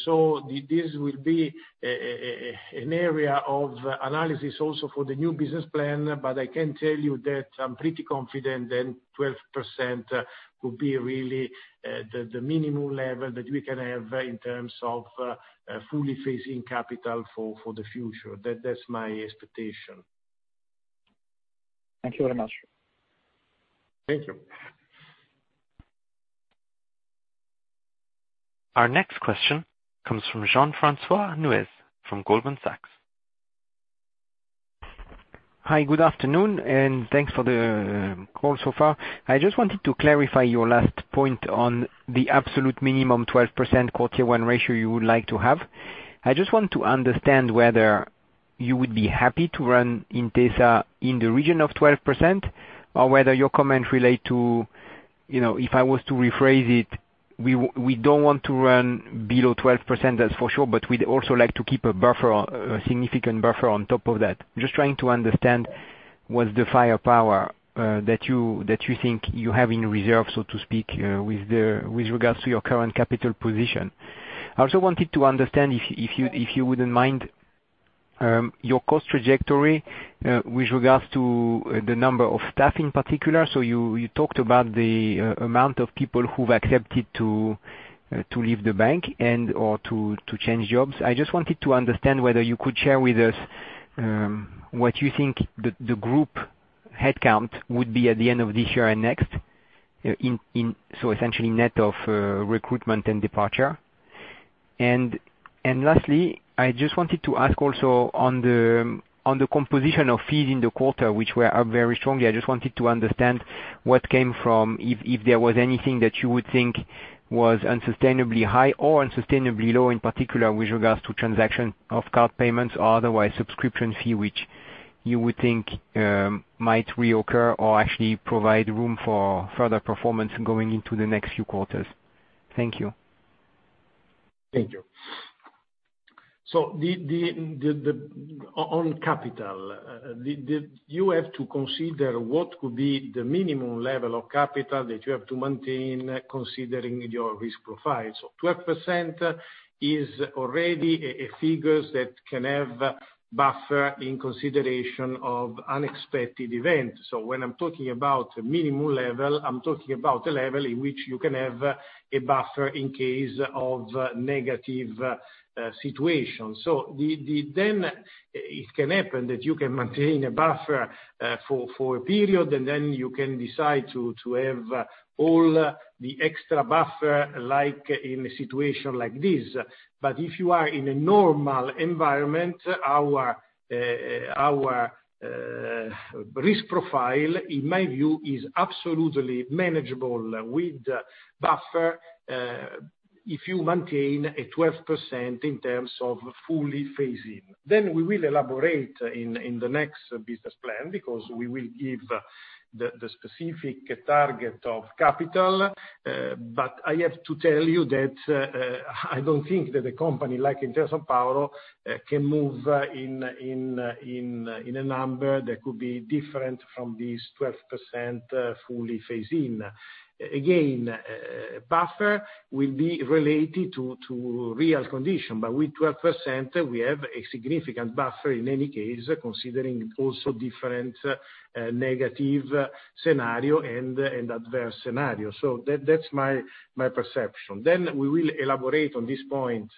This will be an area of analysis also for the new business plan, but I can tell you that I'm pretty confident that 12% could be really the minimum level that we can have in terms of fully phasing capital for the future. That's my expectation. Thank you very much. Thank you. Our next question comes from Jean-Francois Neuez from Goldman Sachs. Hi, good afternoon, and thanks for the call so far. I just wanted to clarify your last point on the absolute minimum 12% core tier 1 ratio you would like to have. I just want to understand whether you would be happy to run Intesa in the region of 12%, or whether your comments relate to, if I was to rephrase it, we don't want to run below 12%, that's for sure, but we'd also like to keep a significant buffer on top of that. Just trying to understand what's the firepower that you think you have in reserve, so to speak, with regards to your current capital position. I also wanted to understand, if you wouldn't mind, your cost trajectory, with regards to the number of staff in particular. You talked about the amount of people who've accepted to leave the bank and/or to change jobs. I just wanted to understand whether you could share with us what you think the group headcount would be at the end of this year and next, so essentially net of recruitment and departure. Lastly, I just wanted to ask also on the composition of fees in the quarter, which were up very strongly. I just wanted to understand if there was anything that you would think was unsustainably high or unsustainably low, in particular with regards to transaction of card payments or otherwise subscription fee, which you would think might reoccur or actually provide room for further performance going into the next few quarters. Thank you. Thank you. On capital, you have to consider what could be the minimum level of capital that you have to maintain considering your risk profile. 12% is already a figure that can have buffer in consideration of unexpected event. When I'm talking about minimum level, I'm talking about a level in which you can have a buffer in case of negative situation. It can happen that you can maintain a buffer for a period, and then you can decide to have all the extra buffer, like in a situation like this. If you are in a normal environment, our risk profile, in my view, is absolutely manageable with buffer, if you maintain a 12% in terms of fully phase-in. We will elaborate in the next business plan, because we will give the specific target of capital. I have to tell you that I don't think that a company like Intesa Sanpaolo can move in a number that could be different from this 12% fully phase-in. Buffer will be related to real condition, but with 12%, we have a significant buffer, in any case, considering also different negative scenario and adverse scenario. That's my perception. We will elaborate on this point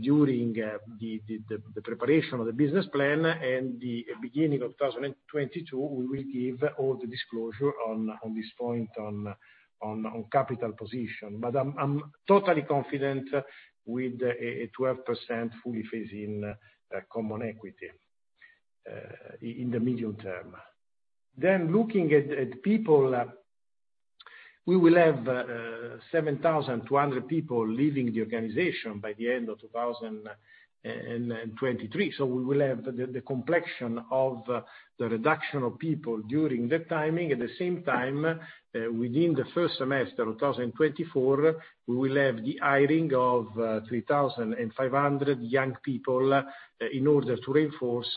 during the preparation of the business plan, and the beginning of 2022, we will give all the disclosure on this point on capital position. I'm totally confident with a 12% fully phase-in common equity in the medium term. Looking at people, we will have 7,200 people leaving the organization by the end of 2023. We will have the complexion of the reduction of people during that timing. At the same time, within the first semester of 2024, we will have the hiring of 3,500 young people in order to reinforce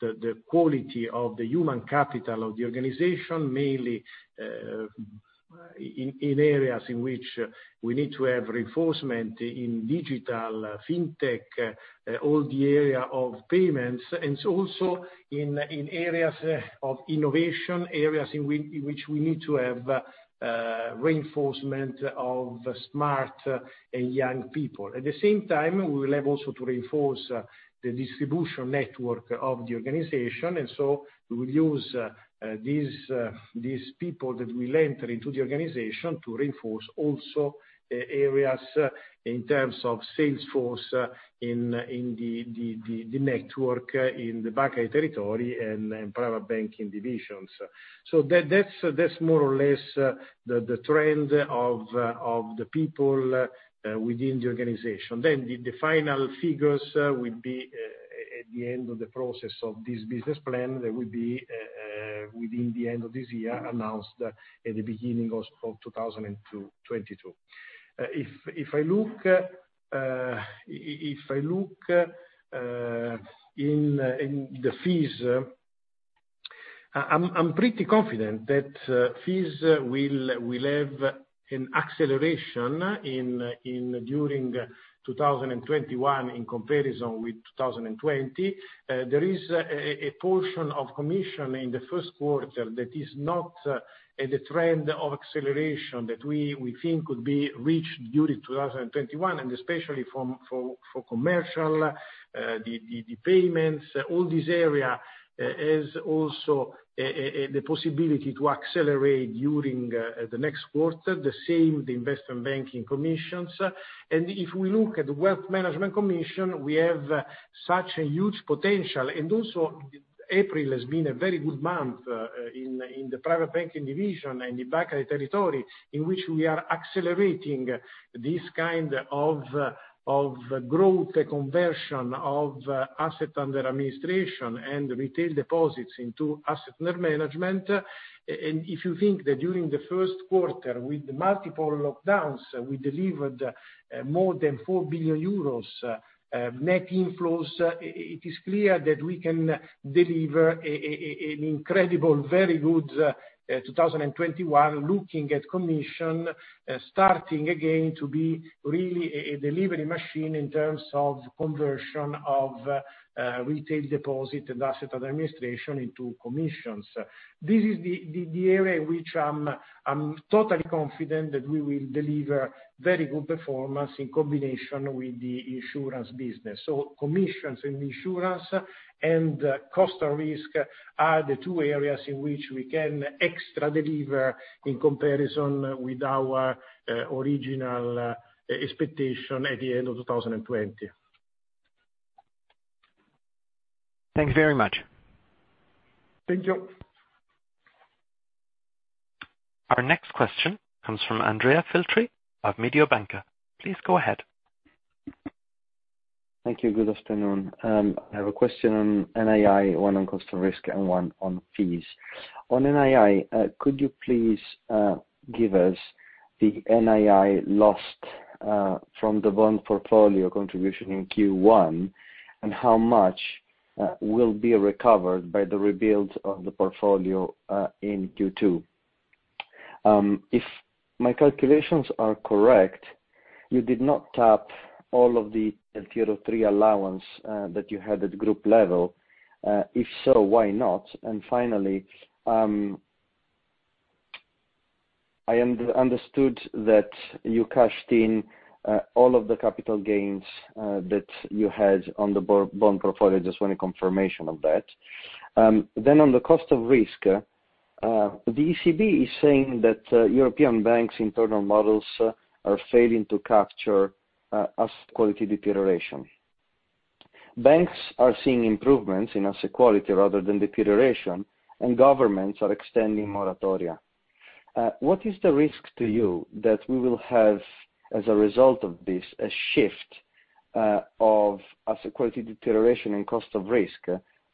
the quality of the human capital of the organization, mainly in areas in which we need to have reinforcement in digital, fintech, all the area of payments, and also in areas of innovation, areas in which we need to have reinforcement of smart and young people. At the same time, we will have also to reinforce the distribution network of the organization. We will use these people that will enter into the organization to reinforce also areas in terms of sales force in the network, in the Banca dei Territori, and private banking divisions. That's more or less the trend of the people within the organization. The final figures will be at the end of the process of this business plan, that will be within the end of this year, announced at the beginning of 2022. If I look in the fees, I am pretty confident that fees will have an acceleration during 2021 in comparison with 2020. There is a portion of commission in the first quarter that is not at the trend of acceleration that we think could be reached during 2021, and especially for commercial, the payments, all this area has also the possibility to accelerate during the next quarter. The same with the investment banking commissions. If we look at the wealth management commission, we have such a huge potential. April has been a very good month in the private banking division and the Banca dei Territori, in which we are accelerating this kind of growth, conversion of assets under administration and retail deposits into asset net management. If you think that during the first quarter, with multiple lockdowns, we delivered more than 4 billion euros net inflows, it is clear that we can deliver an incredible, very good 2021 looking at commissions, starting again to be really a delivery machine in terms of conversion of retail deposit and asset administration into commissions. This is the area which I'm totally confident that we will deliver very good performance in combination with the insurance business. Commissions and insurance, and cost of risk are the two areas in which we can extra deliver in comparison with our original expectation at the end of 2020. Thanks very much. Thank you. Our next question comes from Andrea Filtri of Mediobanca. Please go ahead. Thank you. Good afternoon. I have a question on NII, one on cost of risk, and one on fees. On NII, could you please give us the NII lost from the bond portfolio contribution in Q1, and how much will be recovered by the rebuild of the portfolio in Q2? If my calculations are correct, you did not tap all of the TLTRO allowance that you had at group level. If so, why not? Finally, I understood that you cashed in all of the capital gains that you had on the bond portfolio. I just want a confirmation of that. On the cost of risk, the ECB is saying that European banks' internal models are failing to capture asset quality deterioration. Banks are seeing improvements in asset quality rather than deterioration, and governments are extending moratoria. What is the risk to you that we will have, as a result of this, a shift of asset quality deterioration and cost of risk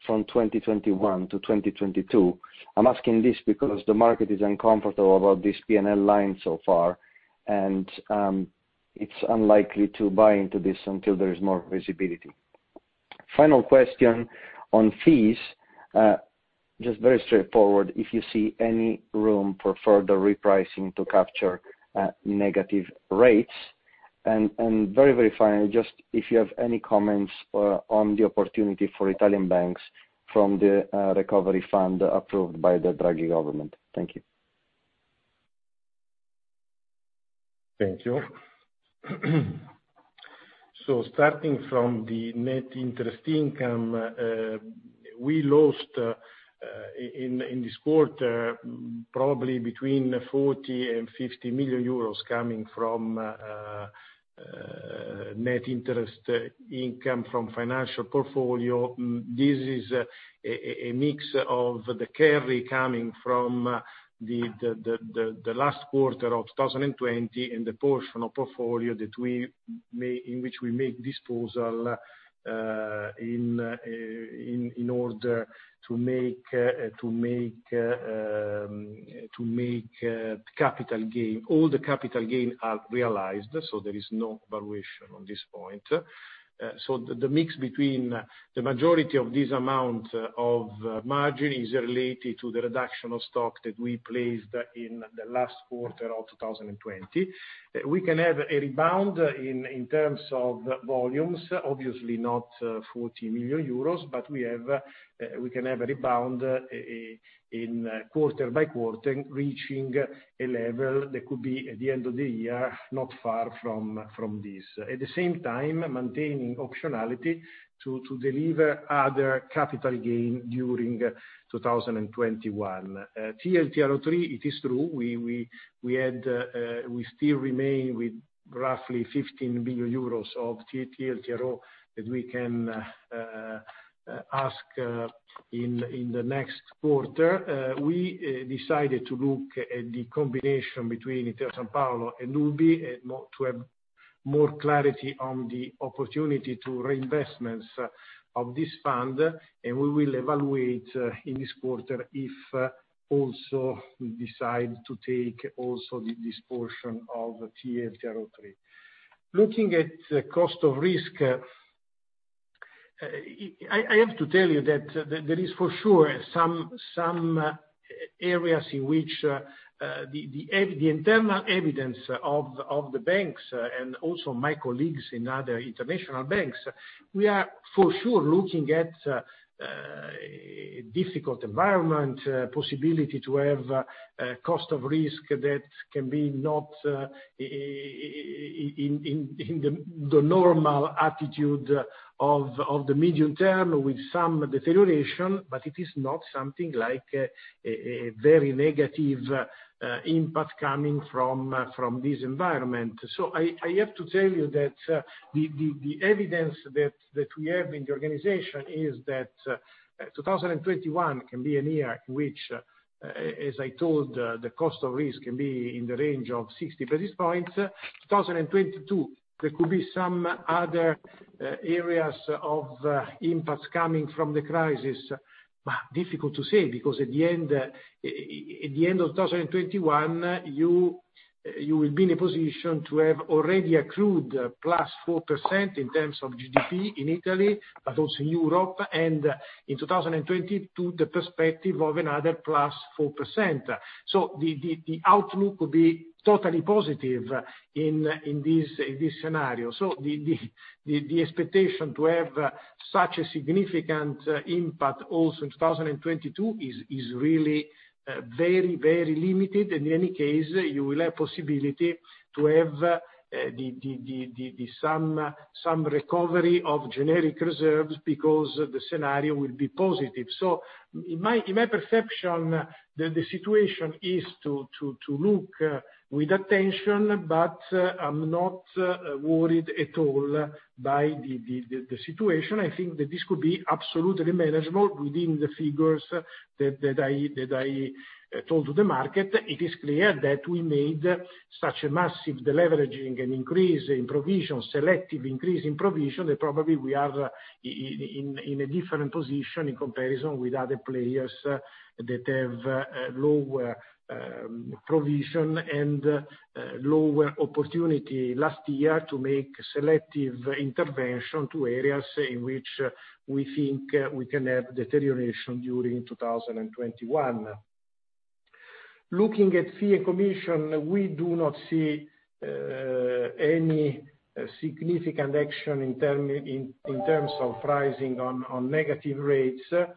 from 2021 to 2022? I'm asking this because the market is uncomfortable about this P&L line so far, and it's unlikely to buy into this until there is more visibility. Final question on fees, just very straightforward, if you see any room for further repricing to capture negative rates, and very final, just if you have any comments on the opportunity for Italian banks from the Recovery Fund approved by the Draghi government. Thank you. Thank you. Starting from the net interest income, we lost, in this quarter, probably between 40 million and 50 million euros coming from net interest income from financial portfolio. This is a mix of the carry coming from the last quarter of 2020 and the portion of portfolio in which we make disposal in order to make capital gain. All the capital gain are realized, there is no valuation on this point. The mix between the majority of this amount of margin is related to the reduction of stock that we placed in the last quarter of 2020. We can have a rebound in terms of volumes, obviously not 40 million euros, but we can have a rebound in quarter-by-quarter, reaching a level that could be, at the end of the year, not far from this. At the same time, maintaining optionality to deliver other capital gain during 2021. TLTRO III, it is true, we still remain with roughly 15 billion euros of TLTRO that we can ask in the next quarter. We decided to look at the combination between Intesa Sanpaolo and UBI to have more clarity on the opportunity to reinvestments of this fund. We will evaluate in this quarter if also we decide to take also this portion of TLTRO III. Looking at cost of risk. I have to tell you that there is for sure some areas in which the internal evidence of the banks, and also my colleagues in other international banks, we are for sure looking at difficult environment, possibility to have a cost of risk that can be not in the normal attitude of the medium term with some deterioration, but it is not something like a very negative impact coming from this environment. I have to tell you that the evidence that we have in the organization is that 2021 can be a year in which, as I told, the cost of risk can be in the range of 60 basis points. 2022, there could be some other areas of impacts coming from the crisis. Difficult to say, because at the end of 2021, you will be in a position to have already accrued +4% in terms of GDP in Italy, but also in Europe, and in 2022, the perspective of another +4%. The outlook could be totally positive in this scenario. The expectation to have such a significant impact also in 2022 is really very limited. In any case, you will have possibility to have some recovery of generic reserves because the scenario will be positive. In my perception, the situation is to look with attention, but I'm not worried at all by the situation. I think that this could be absolutely manageable within the figures that I told to the market. It is clear that we made such a massive deleveraging and increase in provision, selective increase in provision, that probably we are in a different position in comparison with other players that have lower provision and lower opportunity last year to make selective intervention to areas in which we think we can have deterioration during 2021. Looking at fee and commission, we do not see any significant action in terms of pricing on negative rates. That's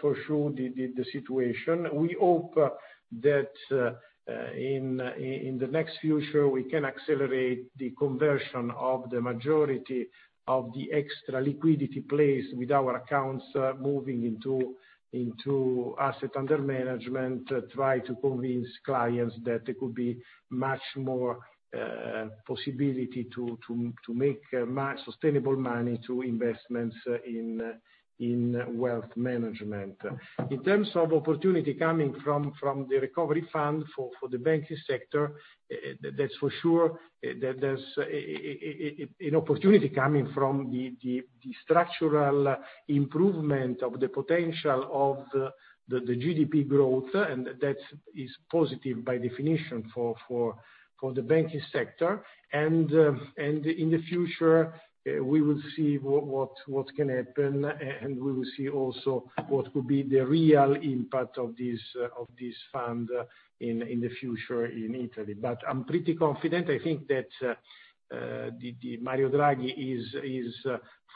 for sure the situation. We hope that in the next future, we can accelerate the conversion of the majority of the extra liquidity placed with our accounts, moving into asset under management, try to convince clients that there could be much more possibility to make sustainable money to investments in wealth management. In terms of opportunity coming from the Recovery Fund for the banking sector, that's for sure, there's an opportunity coming from the structural improvement of the potential of the GDP growth, and that is positive by definition for the banking sector. In the future, we will see what can happen, and we will see also what could be the real impact of this fund in the future in Italy. I'm pretty confident. I think that Mario Draghi is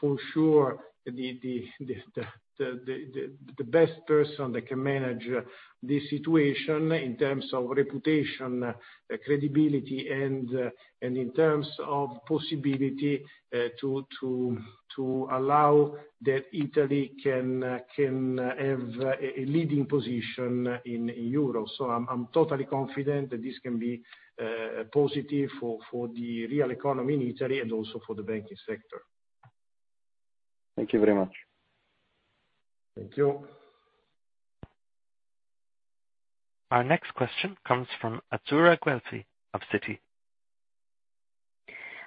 for sure the best person that can manage this situation in terms of reputation, credibility, and in terms of possibility to allow that Italy can have a leading position in Europe. I'm totally confident that this can be positive for the real economy in Italy and also for the banking sector. Thank you very much. Thank you. Our next question comes from Azzurra Guelfi of Citi.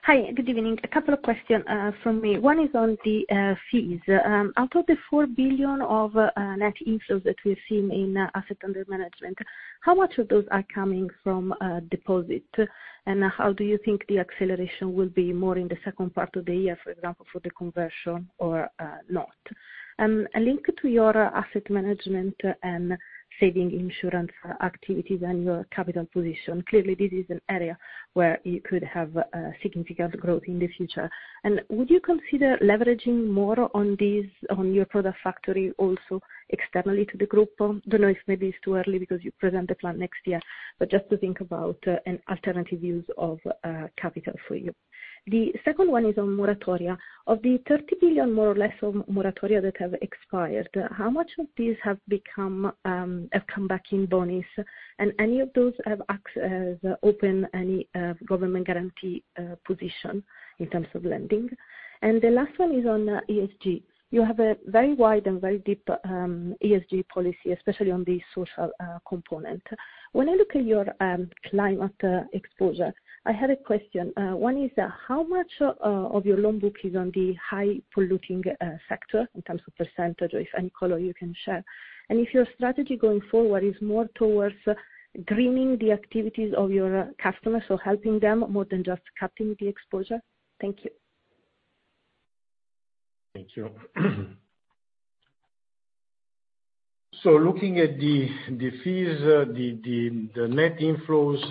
Hi, good evening. A couple of questions from me. One is on the fees. Out of the 4 billion of net inflows that we've seen in asset under management, how much of those are coming from deposit? How do you think the acceleration will be more in the second part of the year, for example, for the conversion or not? A link to your asset management and saving insurance activities and your capital position. Clearly, this is an area where you could have significant growth in the future. Would you consider leveraging more on your product factory also externally to the group? Don't know if maybe it's too early because you present the plan next year, but just to think about an alternative use of capital for you. The second one is on moratoria. Of the 30 billion, more or less, of moratoria that have expired, how much of these have come back in bonis? Have any of those opened any government guarantee position in terms of lending? The last one is on ESG. You have a very wide and very deep ESG policy, especially on the social component. When I look at your climate exposure, I have a question. One is: how much of your loan book is on the high polluting sector in terms of % or if any color you can share? If your strategy going forward is more towards greening the activities of your customers or helping them more than just cutting the exposure? Thank you. Thank you. Looking at the fees, the net inflows,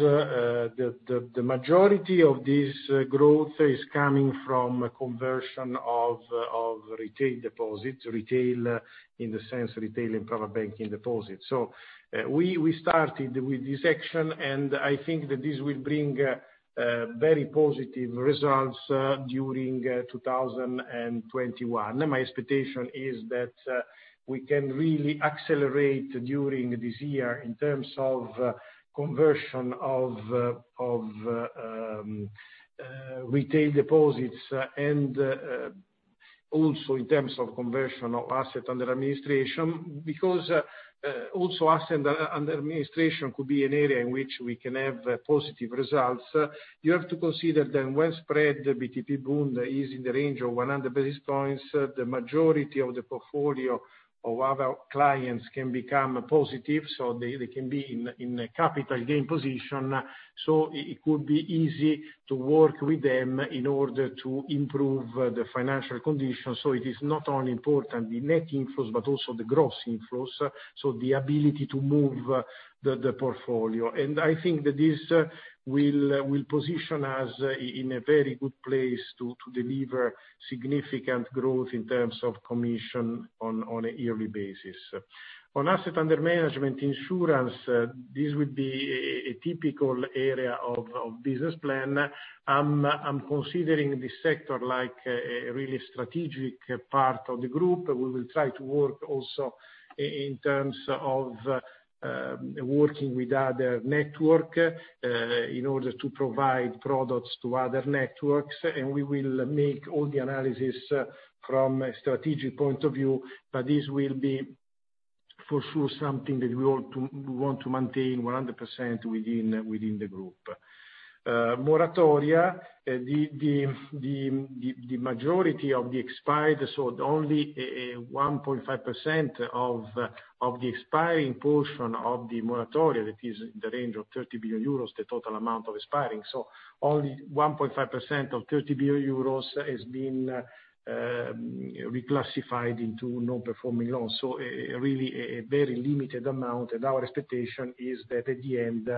the majority of this growth is coming from conversion of retail deposits, retail in the sense retail and private banking deposits. We started with this action, and I think that this will bring very positive results during 2021. My expectation is that we can really accelerate during this year in terms of conversion of retail deposits and also in terms of conversion of assets under administration, because also assets under administration could be an area in which we can have positive results. You have to consider that widespread, the BTP Bund is in the range of 100 basis points. The majority of the portfolio of other clients can become positive, so they can be in a capital gain position. It could be easy to work with them in order to improve the financial conditions. It is not only important, the net inflows, but also the gross inflows, so the ability to move the portfolio. I think that this will position us in a very good place to deliver significant growth in terms of commission on a yearly basis. On asset under management insurance, this would be a typical area of business plan. I'm considering this sector like a really strategic part of the group. We will try to work also in terms of working with other network in order to provide products to other networks. We will make all the analysis from a strategic point of view. This will be for sure something that we want to maintain 100% within the group. Moratoria, the majority of the expired, so only 1.5% of the expiring portion of the moratoria, that is in the range of 30 billion euros, the total amount of expiring. Only 1.5% of 30 billion euros has been reclassified into non-performing loans. Really a very limited amount, and our expectation is that at the end,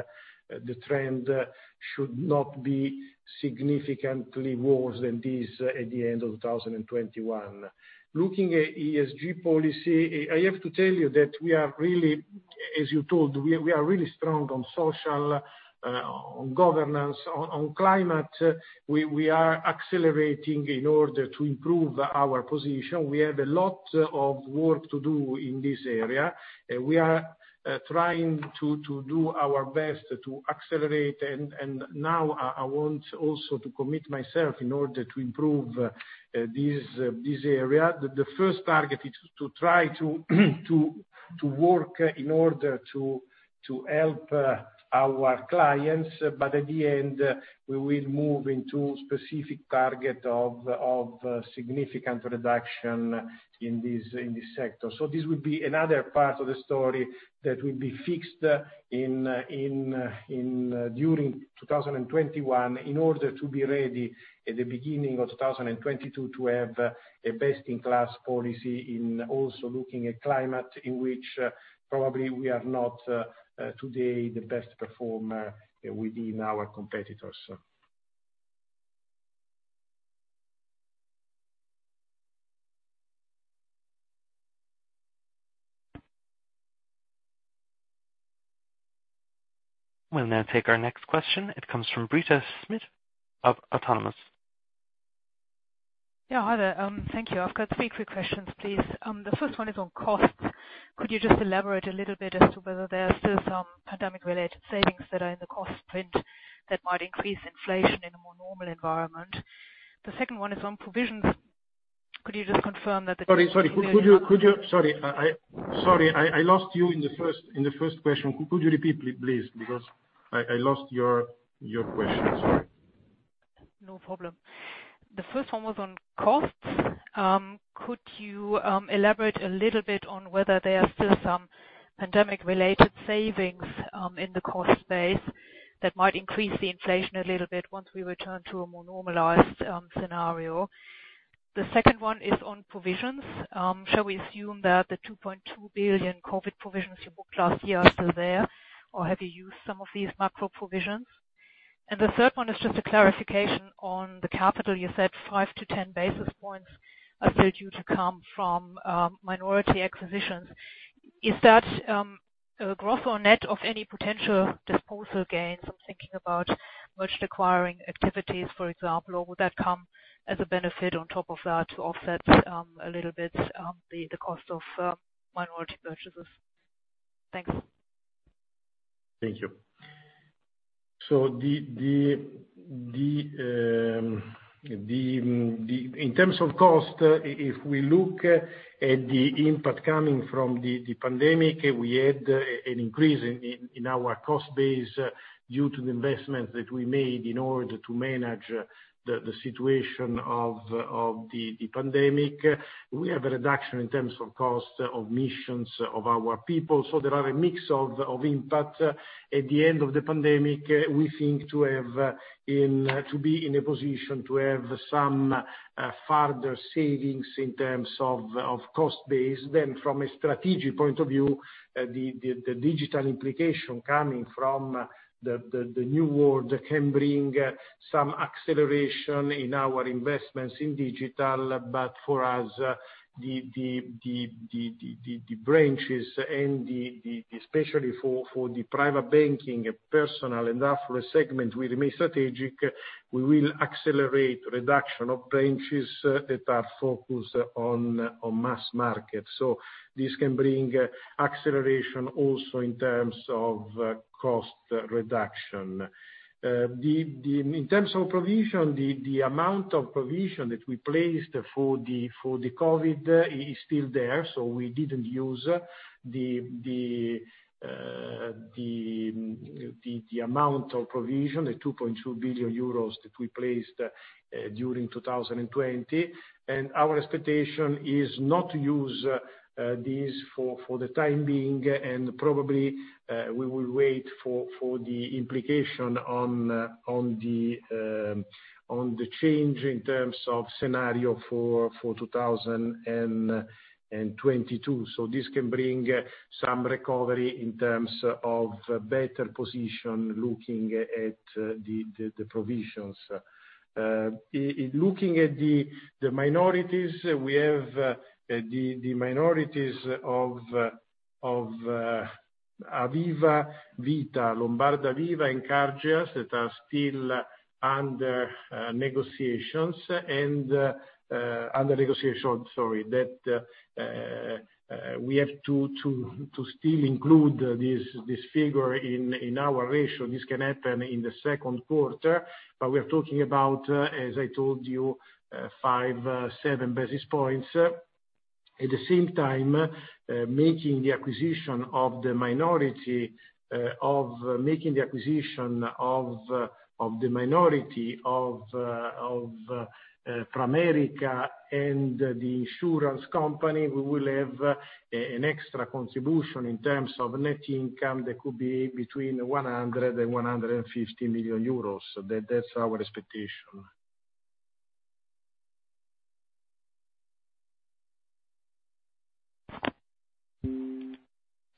the trend should not be significantly worse than this at the end of 2021. Looking at ESG policy, I have to tell you that we are really, as you told, we are really strong on social, on governance. On climate, we are accelerating in order to improve our position. We have a lot of work to do in this area. We are trying to do our best to accelerate, and now I want also to commit myself in order to improve this area. The first target is to try to work in order to help our clients. At the end, we will move into specific target of significant reduction in this sector. This will be another part of the story that will be fixed during 2021 in order to be ready at the beginning of 2022 to have a best-in-class policy in also looking at climate, in which probably we are not today the best performer within our competitors. We'll now take our next question. It comes from Britta Schmidt of Autonomous. Yeah, hi there. Thank you. I've got three quick questions, please. The first one is on costs. Could you just elaborate a little bit as to whether there are still some pandemic-related savings that are in the cost print that might increase inflation in a more normal environment? The second one is on provisions. Sorry. I lost you in the first question. Could you repeat please? I lost your question. Sorry. No problem. The first one was on costs. Could you elaborate a little bit on whether there are still some pandemic-related savings in the cost base that might increase the inflation a little bit once we return to a more normalized scenario? The second one is on provisions. Shall we assume that the 2.2 billion COVID provisions you booked last year are still there, or have you used some of these macro provisions? The third one is just a clarification on the capital. You said 5-10 basis points are still due to come from minority acquisitions. Is that gross or net of any potential disposal gains? I'm thinking about merged acquiring activities, for example, or would that come as a benefit on top of that to offset a little bit the cost of minority purchases? Thanks. Thank you. In terms of cost, if we look at the impact coming from the pandemic, we had an increase in our cost base due to the investment that we made in order to manage the situation of the pandemic. We have a reduction in terms of cost of missions of our people. There are a mix of impact. At the end of the pandemic, we think to be in a position to have some further savings in terms of cost base. From a strategic point of view, the digital implication coming from the new world can bring some acceleration in our investments in digital. For us, the branches and especially for the private banking personal and affluent segment will remain strategic. We will accelerate reduction of branches that are focused on mass market. This can bring acceleration also in terms of cost reduction. In terms of provision, the amount of provision that we placed for the COVID is still there. We didn't use the amount of provision, the 2.2 billion euros that we placed during 2020. Our expectation is not to use these for the time being. Probably, we will wait for the implication on the change in terms of scenario for 2022. This can bring some recovery in terms of better position, looking at the provisions. Looking at the minorities, we have the minorities of Aviva Vita, Lombarda Vita, and Cargeas that are still under negotiation. Sorry, that we have to still include this figure in our ratio. This can happen in the second quarter. We're talking about, as I told you, five, seven basis points. At the same time, making the acquisition of the minority of Pramerica and the insurance company, we will have an extra contribution in terms of net income that could be between 100 million euros and 150 million euros. That's our expectation.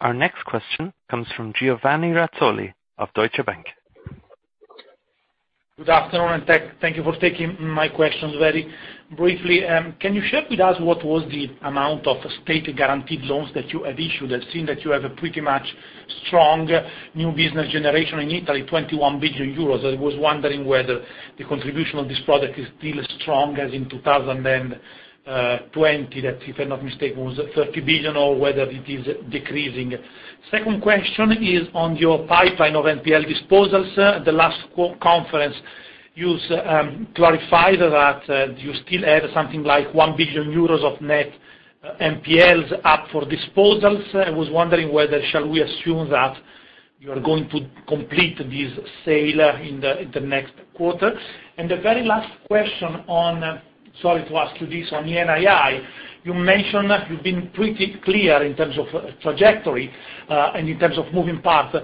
Our next question comes from Giovanni Razzoli of Deutsche Bank. Good afternoon, and thank you for taking my questions. Very briefly, can you share with us what was the amount of state-guaranteed loans that you have issued? I've seen that you have a pretty much strong new business generation in Italy, 21 billion euros. I was wondering whether the contribution of this product is still as strong as in 2020. That, if I'm not mistaken, was 30 billion, or whether it is decreasing. Second question is on your pipeline of NPL disposals. At the last conference, you clarified that you still have something like 1 billion euros of net NPLs up for disposals. I was wondering whether, shall we assume that you are going to complete this sale in the next quarter? The very last question on, sorry to ask you this, on the NII. You've been pretty clear in terms of trajectory, and in terms of moving path.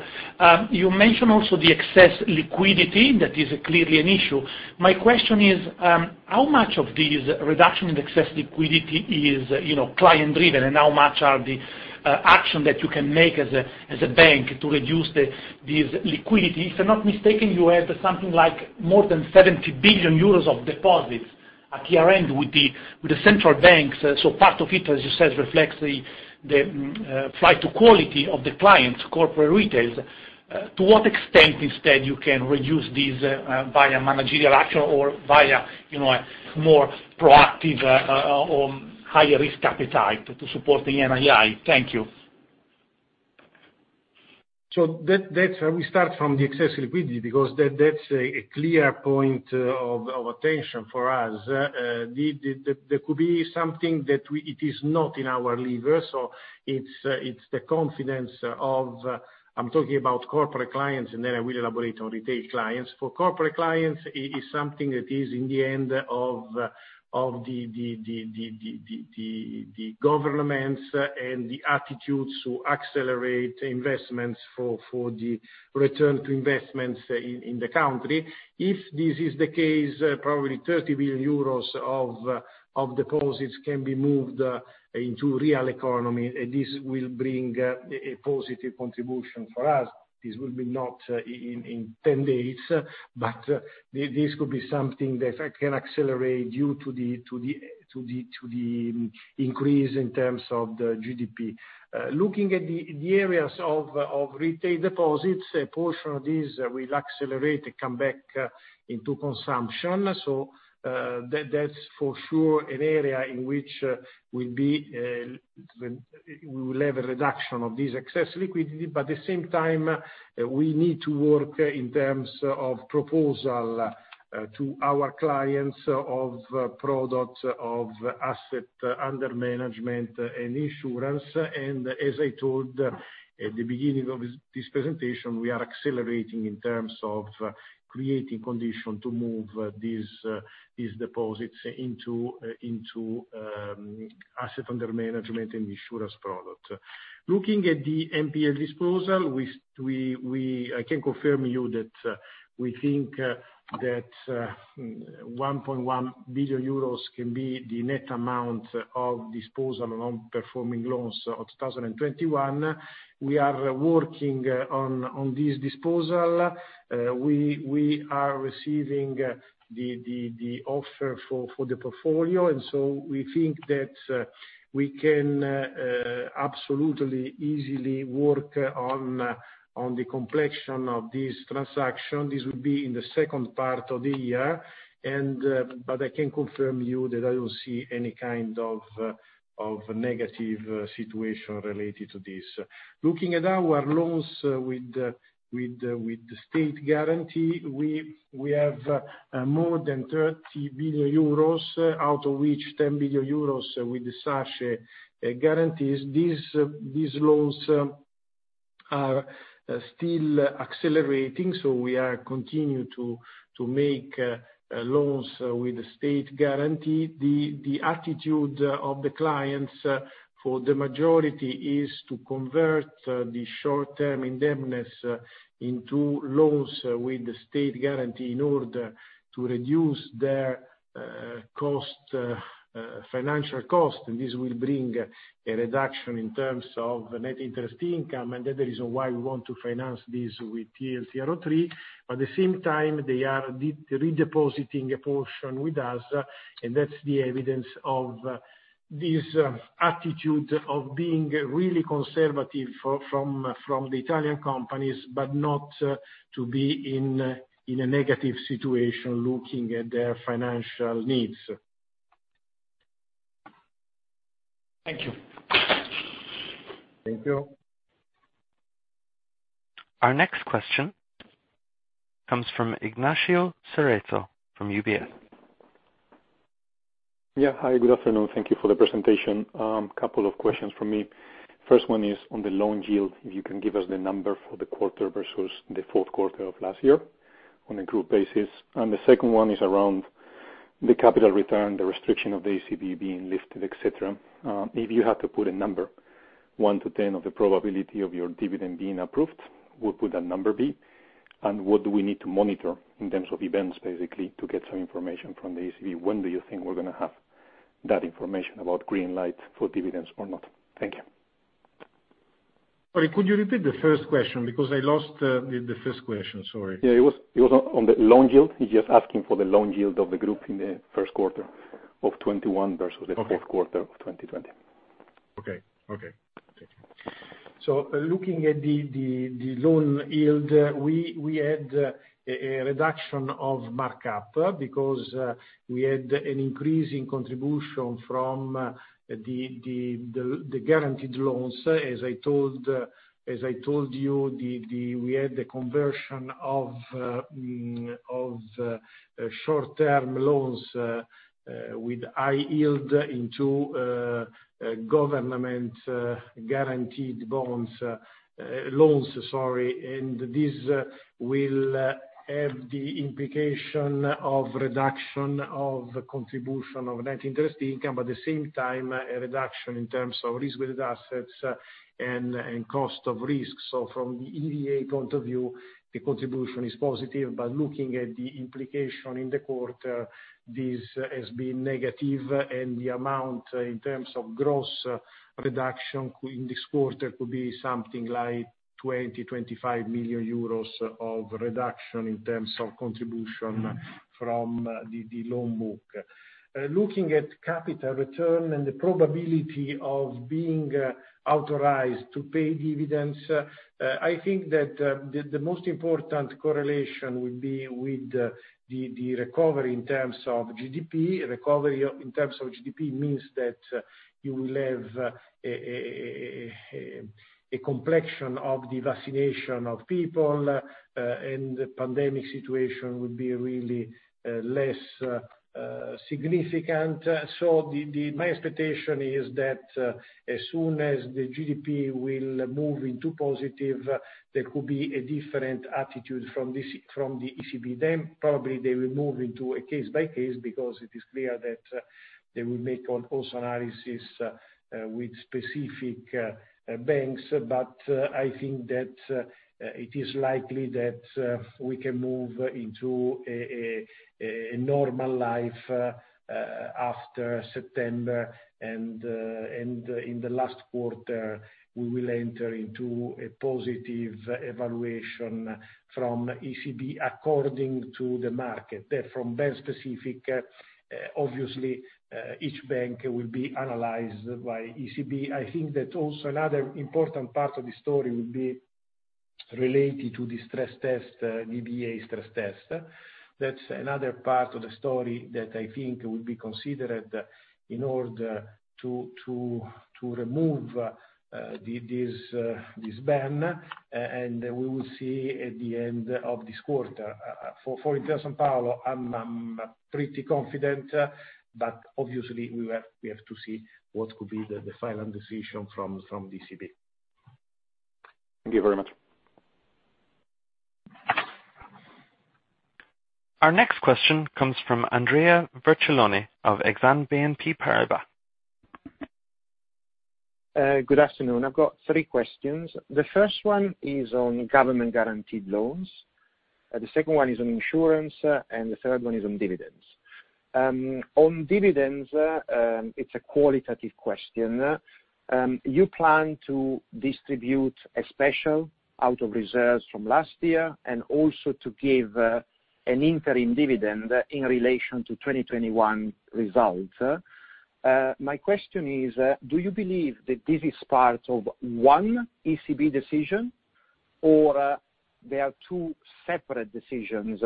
You mentioned also the excess liquidity. That is clearly an issue. My question is, how much of this reduction in excess liquidity is client-driven, and how much are the action that you can make as a bank to reduce this liquidity? If I'm not mistaken, you have something like more than 70 billion euros of deposits at year-end with the central banks. Part of it, as you said, reflects the flight to quality of the clients, corporate retails. To what extent instead, you can reduce this via managerial action or via a more proactive or higher risk appetite to support the NII? Thank you. We start from the excess liquidity, because that's a clear point of attention for us. There could be something that it is not in our lever. It's the confidence of I'm talking about corporate clients, and then I will elaborate on retail clients. For corporate clients, it is something that is in the hands of the governments and the attitudes to accelerate investments for the return to investments in the country. If this is the case, probably 30 billion euros of deposits can be moved into real economy. This will bring a positive contribution for us. This will be not in 10 days, but this could be something that can accelerate due to the increase in terms of the GDP. Looking at the areas of retail deposits, a portion of this will accelerate a comeback into consumption. That's for sure an area in which we will have a reduction of this excess liquidity. At the same time, we need to work in terms of proposal to our clients of products, of asset under management and insurance. As I told at the beginning of this presentation, we are accelerating in terms of creating condition to move these deposits into asset under management and insurance product. Looking at the NPL disposal, I can confirm you that we think that 1.1 billion euros can be the net amount of disposal on performing loans of 2021. We are working on this disposal. We are receiving the offer for the portfolio, and so we think that we can absolutely, easily work on the completion of this transaction. This will be in the second part of the year. I can confirm you that I don't see any kind of negative situation related to this. Looking at our loans with the state guarantee, we have more than 30 billion euros, out of which 10 billion euros with the SACE guarantees. These loans are still accelerating, so we are continuing to make loans with the state guarantee. The attitude of the clients, for the majority, is to convert the short-term indemnities into loans with the state guarantee in order to reduce their financial cost. This will bring a reduction in terms of net interest income, and that's the reason why we want to finance this with TLTRO III. At the same time, they are redepositing a portion with us, and that's the evidence of this attitude of being really conservative from the Italian companies, but not to be in a negative situation looking at their financial needs. Thank you. Thank you. Our next question comes from Ignacio Cerezo from UBS. Yeah. Hi, good afternoon. Thank you for the presentation. Couple of questions from me. First one is on the loan yield, if you can give us the number for the quarter versus the fourth quarter of last year on a group basis. The second one is around the capital return, the restriction of the ECB being lifted, et cetera. If you had to put a number, one to 10 of the probability of your dividend being approved, what would that number be? What do we need to monitor in terms of events, basically, to get some information from the ECB? When do you think we're going to have that information about green light for dividends or not? Thank you. Sorry, could you repeat the first question? I lost the first question. Sorry. Yeah, it was on the loan yield. He's just asking for the loan yield of the group in the first quarter of 2021 versus the fourth quarter of 2020. Okay. Thank you. Looking at the loan yield, we had a reduction of markup, because we had an increase in contribution from the guaranteed loans. As I told you, we had the conversion of short-term loans with high yield into government guaranteed loans. This will have the implication of reduction of contribution of net interest income, but at the same time, a reduction in terms of risk-weighted assets and cost of risks. From the EVA point of view, the contribution is positive. Looking at the implication in the quarter, this has been negative, and the amount in terms of gross reduction in this quarter could be something like 20 million-25 million euros of reduction in terms of contribution from the loan book. Looking at capital return and the probability of being authorized to pay dividends, I think that the most important correlation would be with the recovery in terms of GDP. Recovery in terms of GDP means that you will have a complexion of the vaccination of people, and the pandemic situation would be really less significant. My expectation is that as soon as the GDP will move into positive, there could be a different attitude from the ECB. Probably they will move into a case by case, because it is clear that they will make an also analysis with specific banks. I think that it is likely that we can move into a normal life after September, and in the last quarter, we will enter into a positive evaluation from ECB according to the market. From bank specific, obviously, each bank will be analyzed by ECB. I think that also another important part of the story would be related to the stress test, EBA stress test. That's another part of the story that I think will be considered in order to remove this ban, and we will see at the end of this quarter. For Intesa Sanpaolo, I'm pretty confident, but obviously, we have to see what could be the final decision from ECB. Thank you very much. Our next question comes from Andrea Vercellone of Exane BNP Paribas. Good afternoon. I've got three questions. The first one is on government-guaranteed loans. The second one is on insurance. The third one is on dividends. On dividends, it's a qualitative question. You plan to distribute a special out of reserves from last year, and also to give an interim dividend in relation to 2021 results. My question is, do you believe that this is part of one ECB decision? There are two separate decisions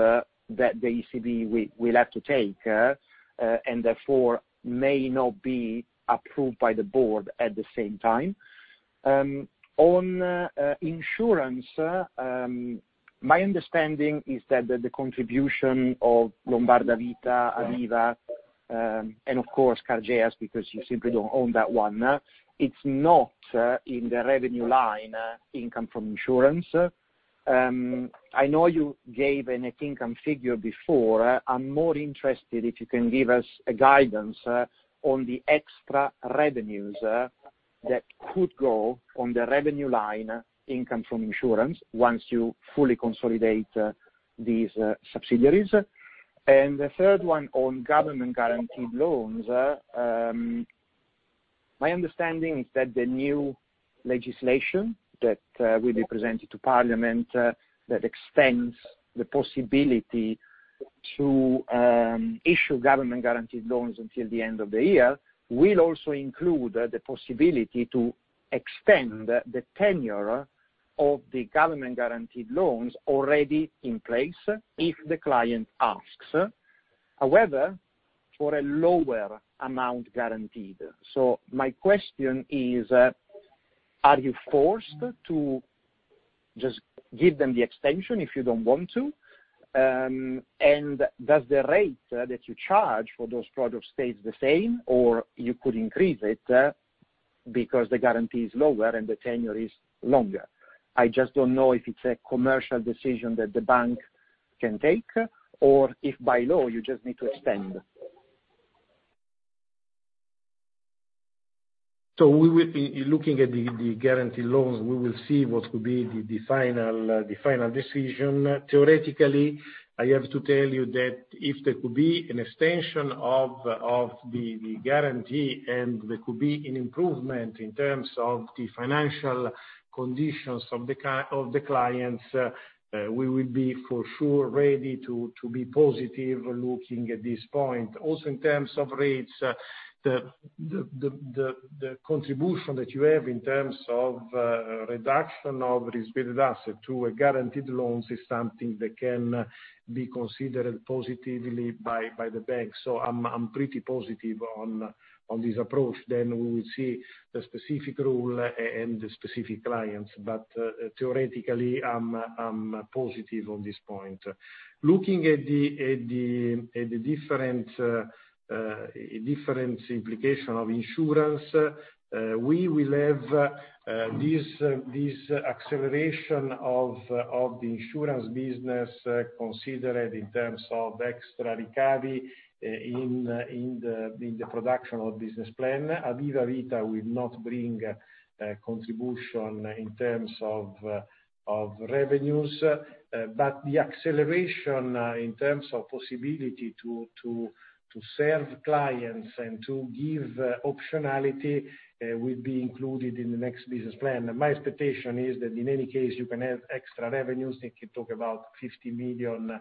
that the ECB will have to take, and therefore may not be approved by the board at the same time. On insurance, my understanding is that the contribution of Lombarda Vita, Aviva, and of course, Cargeas, because you simply don't own that one, it's not in the revenue line income from insurance. I know you gave a net income figure before. I'm more interested if you can give us a guidance on the extra revenues that could go on the revenue line income from insurance once you fully consolidate these subsidiaries. The third one on government-guaranteed loans. My understanding is that the new legislation that will be presented to parliament, that extends the possibility to issue government guaranteed loans until the end of the year, will also include the possibility to extend the tenure of the government guaranteed loans already in place if the client asks. However, for a lower amount guaranteed. My question is, are you forced to just give them the extension if you don't want to? Does the rate that you charge for those products stay the same, or you could increase it because the guarantee is lower and the tenure is longer? I just don't know if it's a commercial decision that the bank can take, or if by law you just need to extend. We will be looking at the guaranteed loans. We will see what will be the final decision. Theoretically, I have to tell you that if there could be an extension of the guarantee and there could be an improvement in terms of the financial conditions of the clients, we will be for sure ready to be positive looking at this point. In terms of rates, the contribution that you have in terms of reduction of risk-weighted asset to a guaranteed loans is something that can be considered positively by the bank. I'm pretty positive on this approach, then we will see the specific rule and the specific clients. Theoretically, I'm positive on this point. Looking at the different implication of insurance, we will have this acceleration of the insurance business considered in terms of extra ricavi in the production of business plan. Aviva Vita will not bring contribution in terms of revenues. The acceleration in terms of possibility to serve clients and to give optionality will be included in the next business plan. My expectation is that in any case, you can have extra revenues. They can talk about 50 million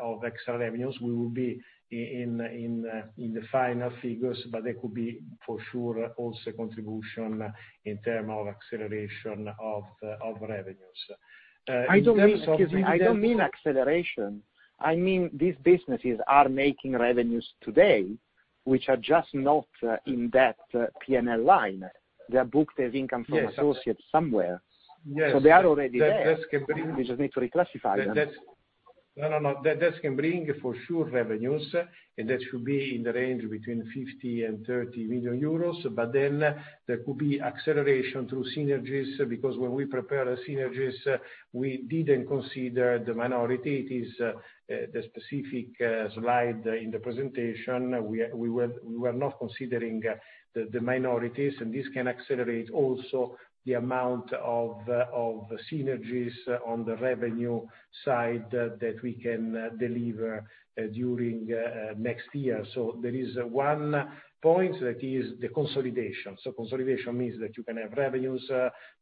of extra revenues. We will be in the final figures, but there could be for sure also contribution in terms of acceleration of revenues. Excuse me, I don't mean acceleration. I mean, these businesses are making revenues today, which are just not in that P&L line. They are booked as income from associates somewhere. Yes. They are already there. That can bring. We just need to reclassify them. No, that can bring for sure revenues, and that should be in the range between 50 million-30 million euros. There could be acceleration through synergies, because when we prepare synergies, we didn't consider the minority. It is the specific slide in the presentation. We were not considering the minorities, and this can accelerate also the amount of synergies on the revenue side that we can deliver during next year. There is one point that is the consolidation. Consolidation means that you can have revenues,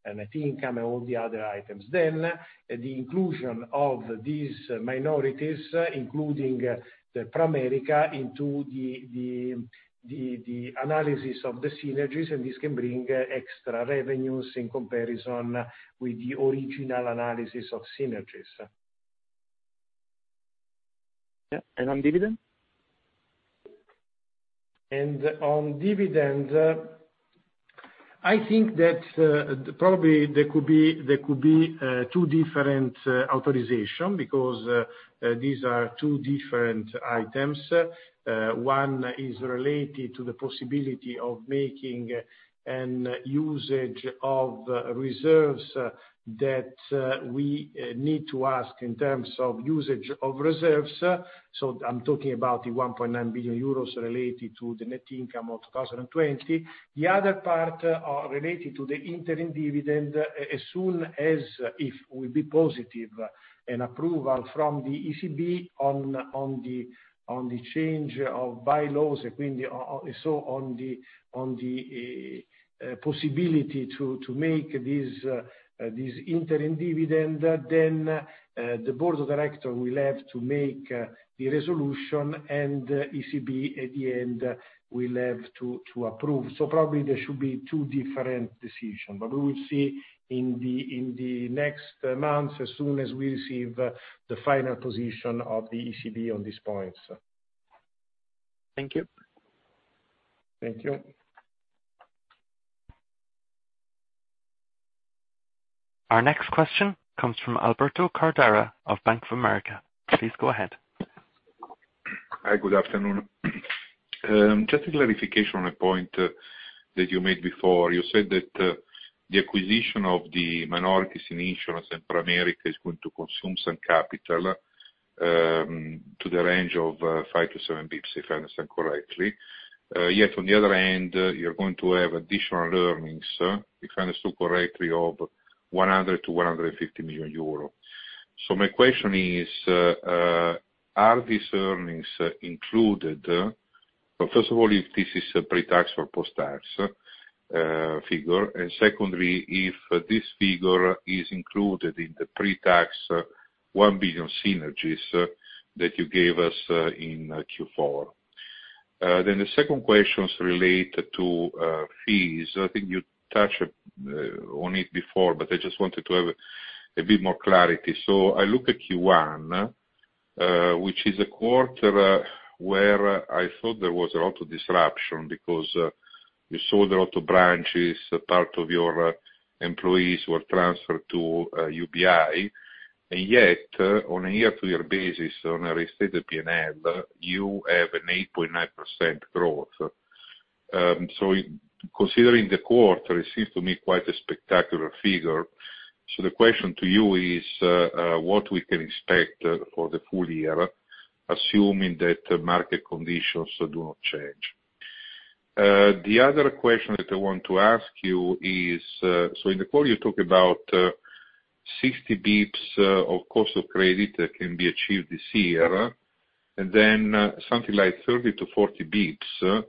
net income and all the other items. The inclusion of these minorities, including the Pramerica into the analysis of the synergies, and this can bring extra revenues in comparison with the original analysis of synergies. Yeah. On dividend? On dividend, I think that probably there could be two different authorizations, because these are two different items. One is related to the possibility of making a usage of reserves that we need to ask in terms of usage of reserves. I am talking about the 1.9 billion euros related to the net income of 2020. The other part is related to the interim dividend as soon as, if will be positive, an approval from the ECB on the change of bylaws, so on the possibility to make this interim dividend, then the board of directors will have to make the resolution, and ECB at the end will have to approve. Probably there should be two different decisions, but we will see in the next months as soon as we receive the final position of the ECB on these points. Thank you. Thank you. Our next question comes from Alberto Cordara of Bank of America. Please go ahead. Hi, good afternoon. Just a clarification on a point that you made before. You said that the acquisition of the minorities in insurance and Pramerica is going to consume some capital to the range of 5-7 basis points, if I understand correctly. Yet, on the other hand, you're going to have additional earnings, if I understood correctly, of 100 million-150 million euro. My question is, are these earnings included? First of all, if this is a pre-tax or post-tax figure, and secondly, if this figure is included in the pre-tax 1 billion synergies that you gave us in Q4. The second question is related to fees. I think you touched on it before, but I just wanted to have a bit more clarity. I look at Q1, which is a quarter where I thought there was a lot of disruption because you sold a lot of branches, part of your employees were transferred to UBI, and yet, on a year-to-year basis on a restated P&L, you have an 8.9% growth. Considering the quarter, it seems to me quite a spectacular figure. The question to you is, what we can expect for the full year, assuming that market conditions do not change? The other question that I want to ask you is, in the call you talk about 60 basis points of cost of credit that can be achieved this year, and then something like 30 to 40 basis points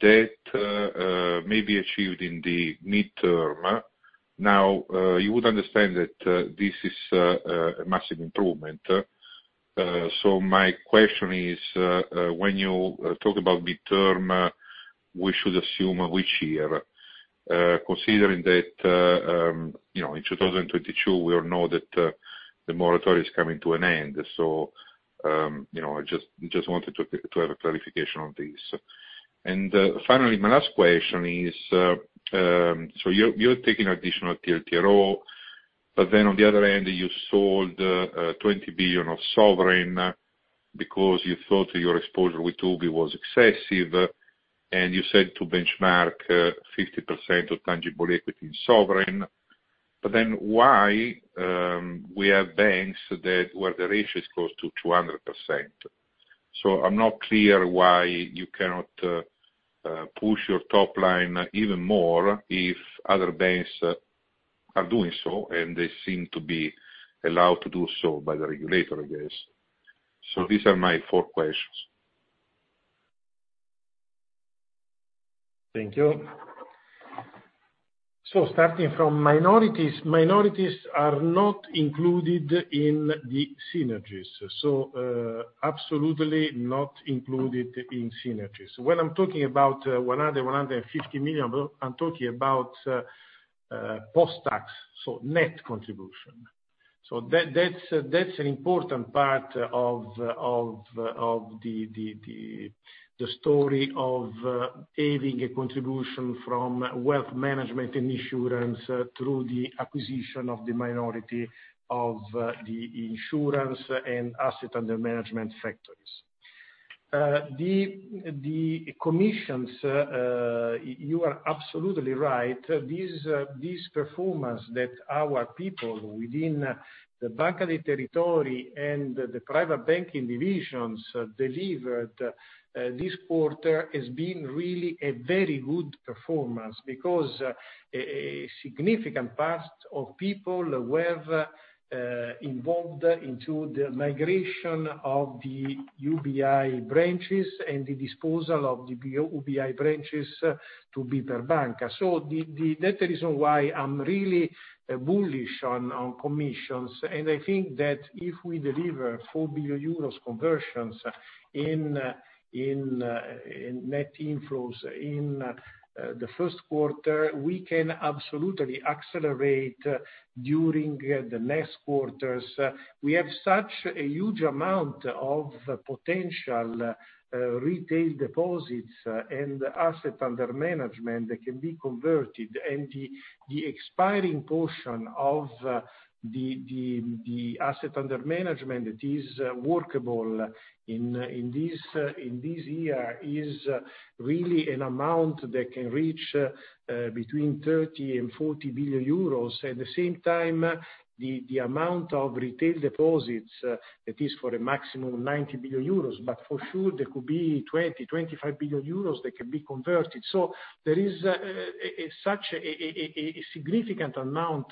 that may be achieved in the midterm. Now, you would understand that this is a massive improvement. My question is, when you talk about midterm, we should assume which year? Considering that in 2022, we all know that the moratorium is coming to an end. I just wanted to have a clarification on this. Finally, my last question is, you're taking additional TLTRO, but then on the other hand, you sold 20 billion of sovereign because you thought your exposure with UBI was excessive, and you said to benchmark 50% of tangible equity in sovereign. Why we have banks where the ratio is close to 200%? I'm not clear why you cannot push your top line even more if other banks are doing so, and they seem to be allowed to do so by the regulator, I guess. These are my four questions. Thank you. Starting from minorities. Minorities are not included in the synergies. Absolutely not included in synergies. When I'm talking about 100 million-150 million, I'm talking about post-tax, so net contribution. That's an important part of the story of having a contribution from wealth management and insurance through the acquisition of the minority of the insurance and asset under management factories. The commissions, you are absolutely right. This performance that our people within the Banca dei Territori and the private banking divisions delivered this quarter has been really a very good performance because a significant part of people were involved into the migration of the UBI branches and the disposal of the UBI branches to BPER Banca. That's the reason why I'm really bullish on commissions, and I think that if we deliver 4 billion euros conversions in net inflows in the first quarter, we can absolutely accelerate during the next quarters. We have such a huge amount of potential retail deposits and asset under management that can be converted, and the expiring portion of the asset under management that is workable in this year is really an amount that can reach between 30 billion-40 billion euros. At the same time, the amount of retail deposits, that is for a maximum of 90 billion euros, but for sure there could be 20 billion euros, 25 billion euros that can be converted. There is such a significant amount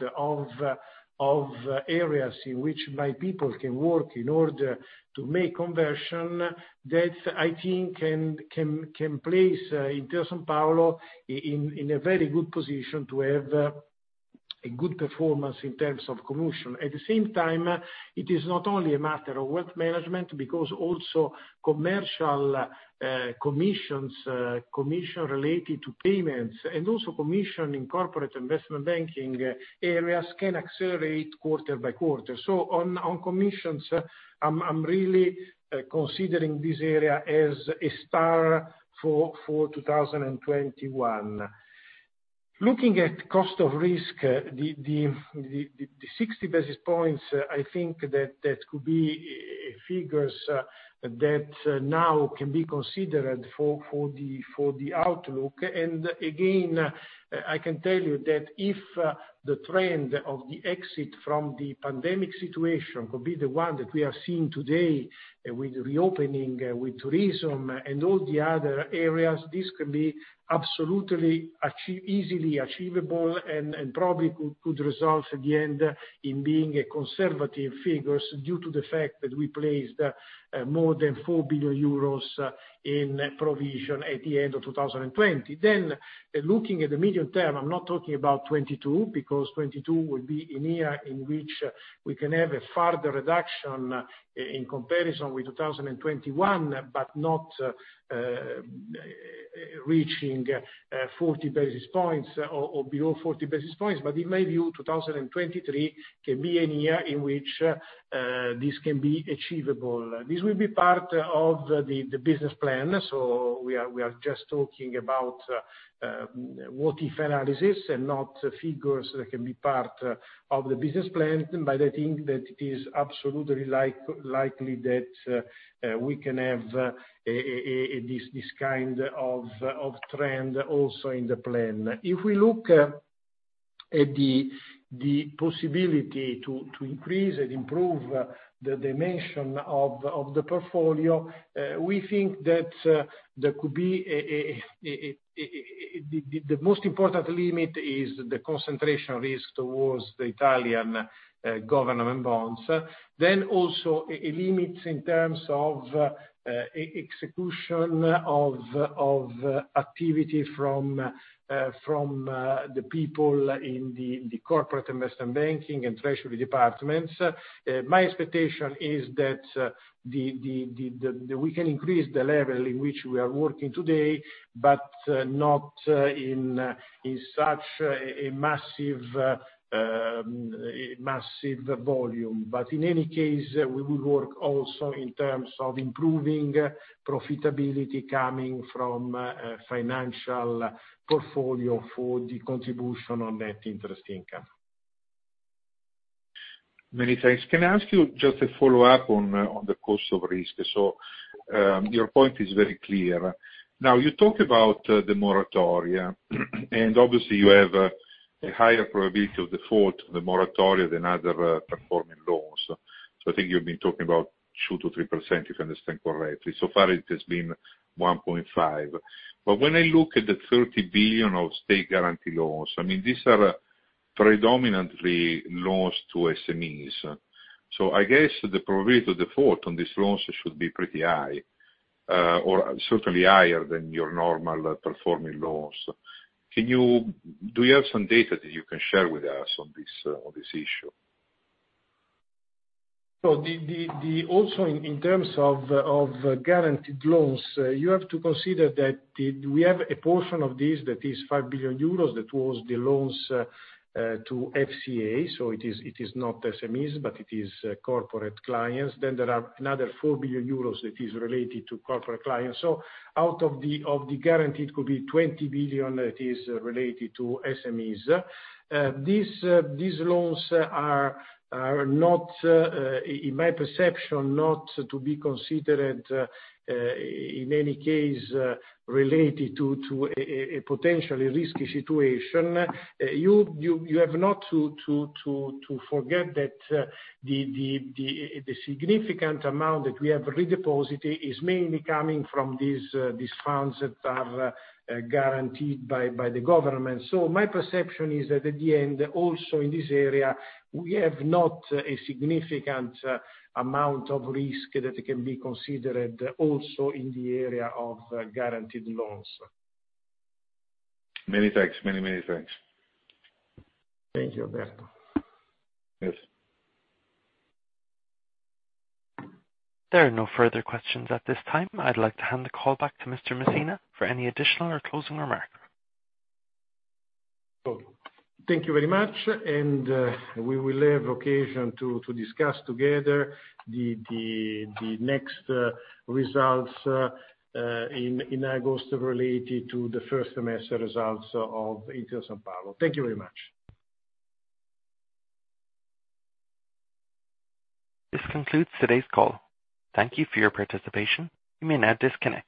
of areas in which my people can work in order to make conversion that I think can place Intesa Sanpaolo in a very good position to have a good performance in terms of commission. At the same time, it is not only a matter of wealth management, because also commercial commissions, commission related to payments and also commission in corporate investment banking areas can accelerate quarter by quarter. On commissions, I'm really considering this area as a star for 2021. Looking at cost of risk, the 60 basis points, I think that could be figures that now can be considered for the outlook. Again, I can tell you that if the trend of the exit from the pandemic situation could be the one that we are seeing today with reopening, with tourism and all the other areas, this could be absolutely easily achievable and probably could result at the end in being conservative figures due to the fact that we placed more than 4 billion euros in provision at the end of 2020. Looking at the medium term, I'm not talking about 2022, because 2022 will be a year in which we can have a farther reduction in comparison with 2021, but not reaching 40 basis points or below 40 basis points. In my view, 2023 can be a year in which this can be achievable. This will be part of the business plan. We are just talking about what if analysis and not figures that can be part of the business plan. I think that it is absolutely likely that we can have this kind of trend also in the plan. If we look at the possibility to increase and improve the dimension of the portfolio, we think that the most important limit is the concentration risk towards the Italian government bonds. Also limits in terms of execution of activity from the people in the Corporate & Investment Banking and treasury departments. My expectation is that we can increase the level in which we are working today, but not in such a massive volume. In any case, we will work also in terms of improving profitability coming from financial portfolio for the contribution on net interest income. Many thanks. Can I ask you just a follow-up on the cost of risk? Your point is very clear. Now you talk about the moratoria, and obviously you have a higher probability of default, the moratoria than other performing loans. I think you've been talking about 2%-3%, if I understand correctly. So far it has been 1.5%. When I look at the 30 billion of state guarantee loans, I mean, these are predominantly loans to SMEs. I guess the probability to default on these loans should be pretty high, or certainly higher than your normal performing loans. Do you have some data that you can share with us on this issue? Also in terms of guaranteed loans, you have to consider that we have a portion of this that is 5 billion euros that was the loans to FCA. It is not SMEs, but it is corporate clients. There are another 4 billion euros that is related to corporate clients. Out of the guaranteed could be 20 billion that is related to SMEs. These loans are, in my perception, not to be considered, in any case, related to a potentially risky situation. You have not to forget that the significant amount that we have redeposited is mainly coming from these funds that are guaranteed by the government. My perception is that at the end, also in this area, we have not a significant amount of risk that can be considered also in the area of guaranteed loans. Many thanks. Thank you, Alberto. Yes. There are no further questions at this time. I'd like to hand the call back to Mr. Messina for any additional or closing remarks. Thank you very much. We will have occasion to discuss together the next results in August related to the first semester results of Intesa Sanpaolo. Thank you very much. This concludes today's call. Thank you for your participation. You may now disconnect.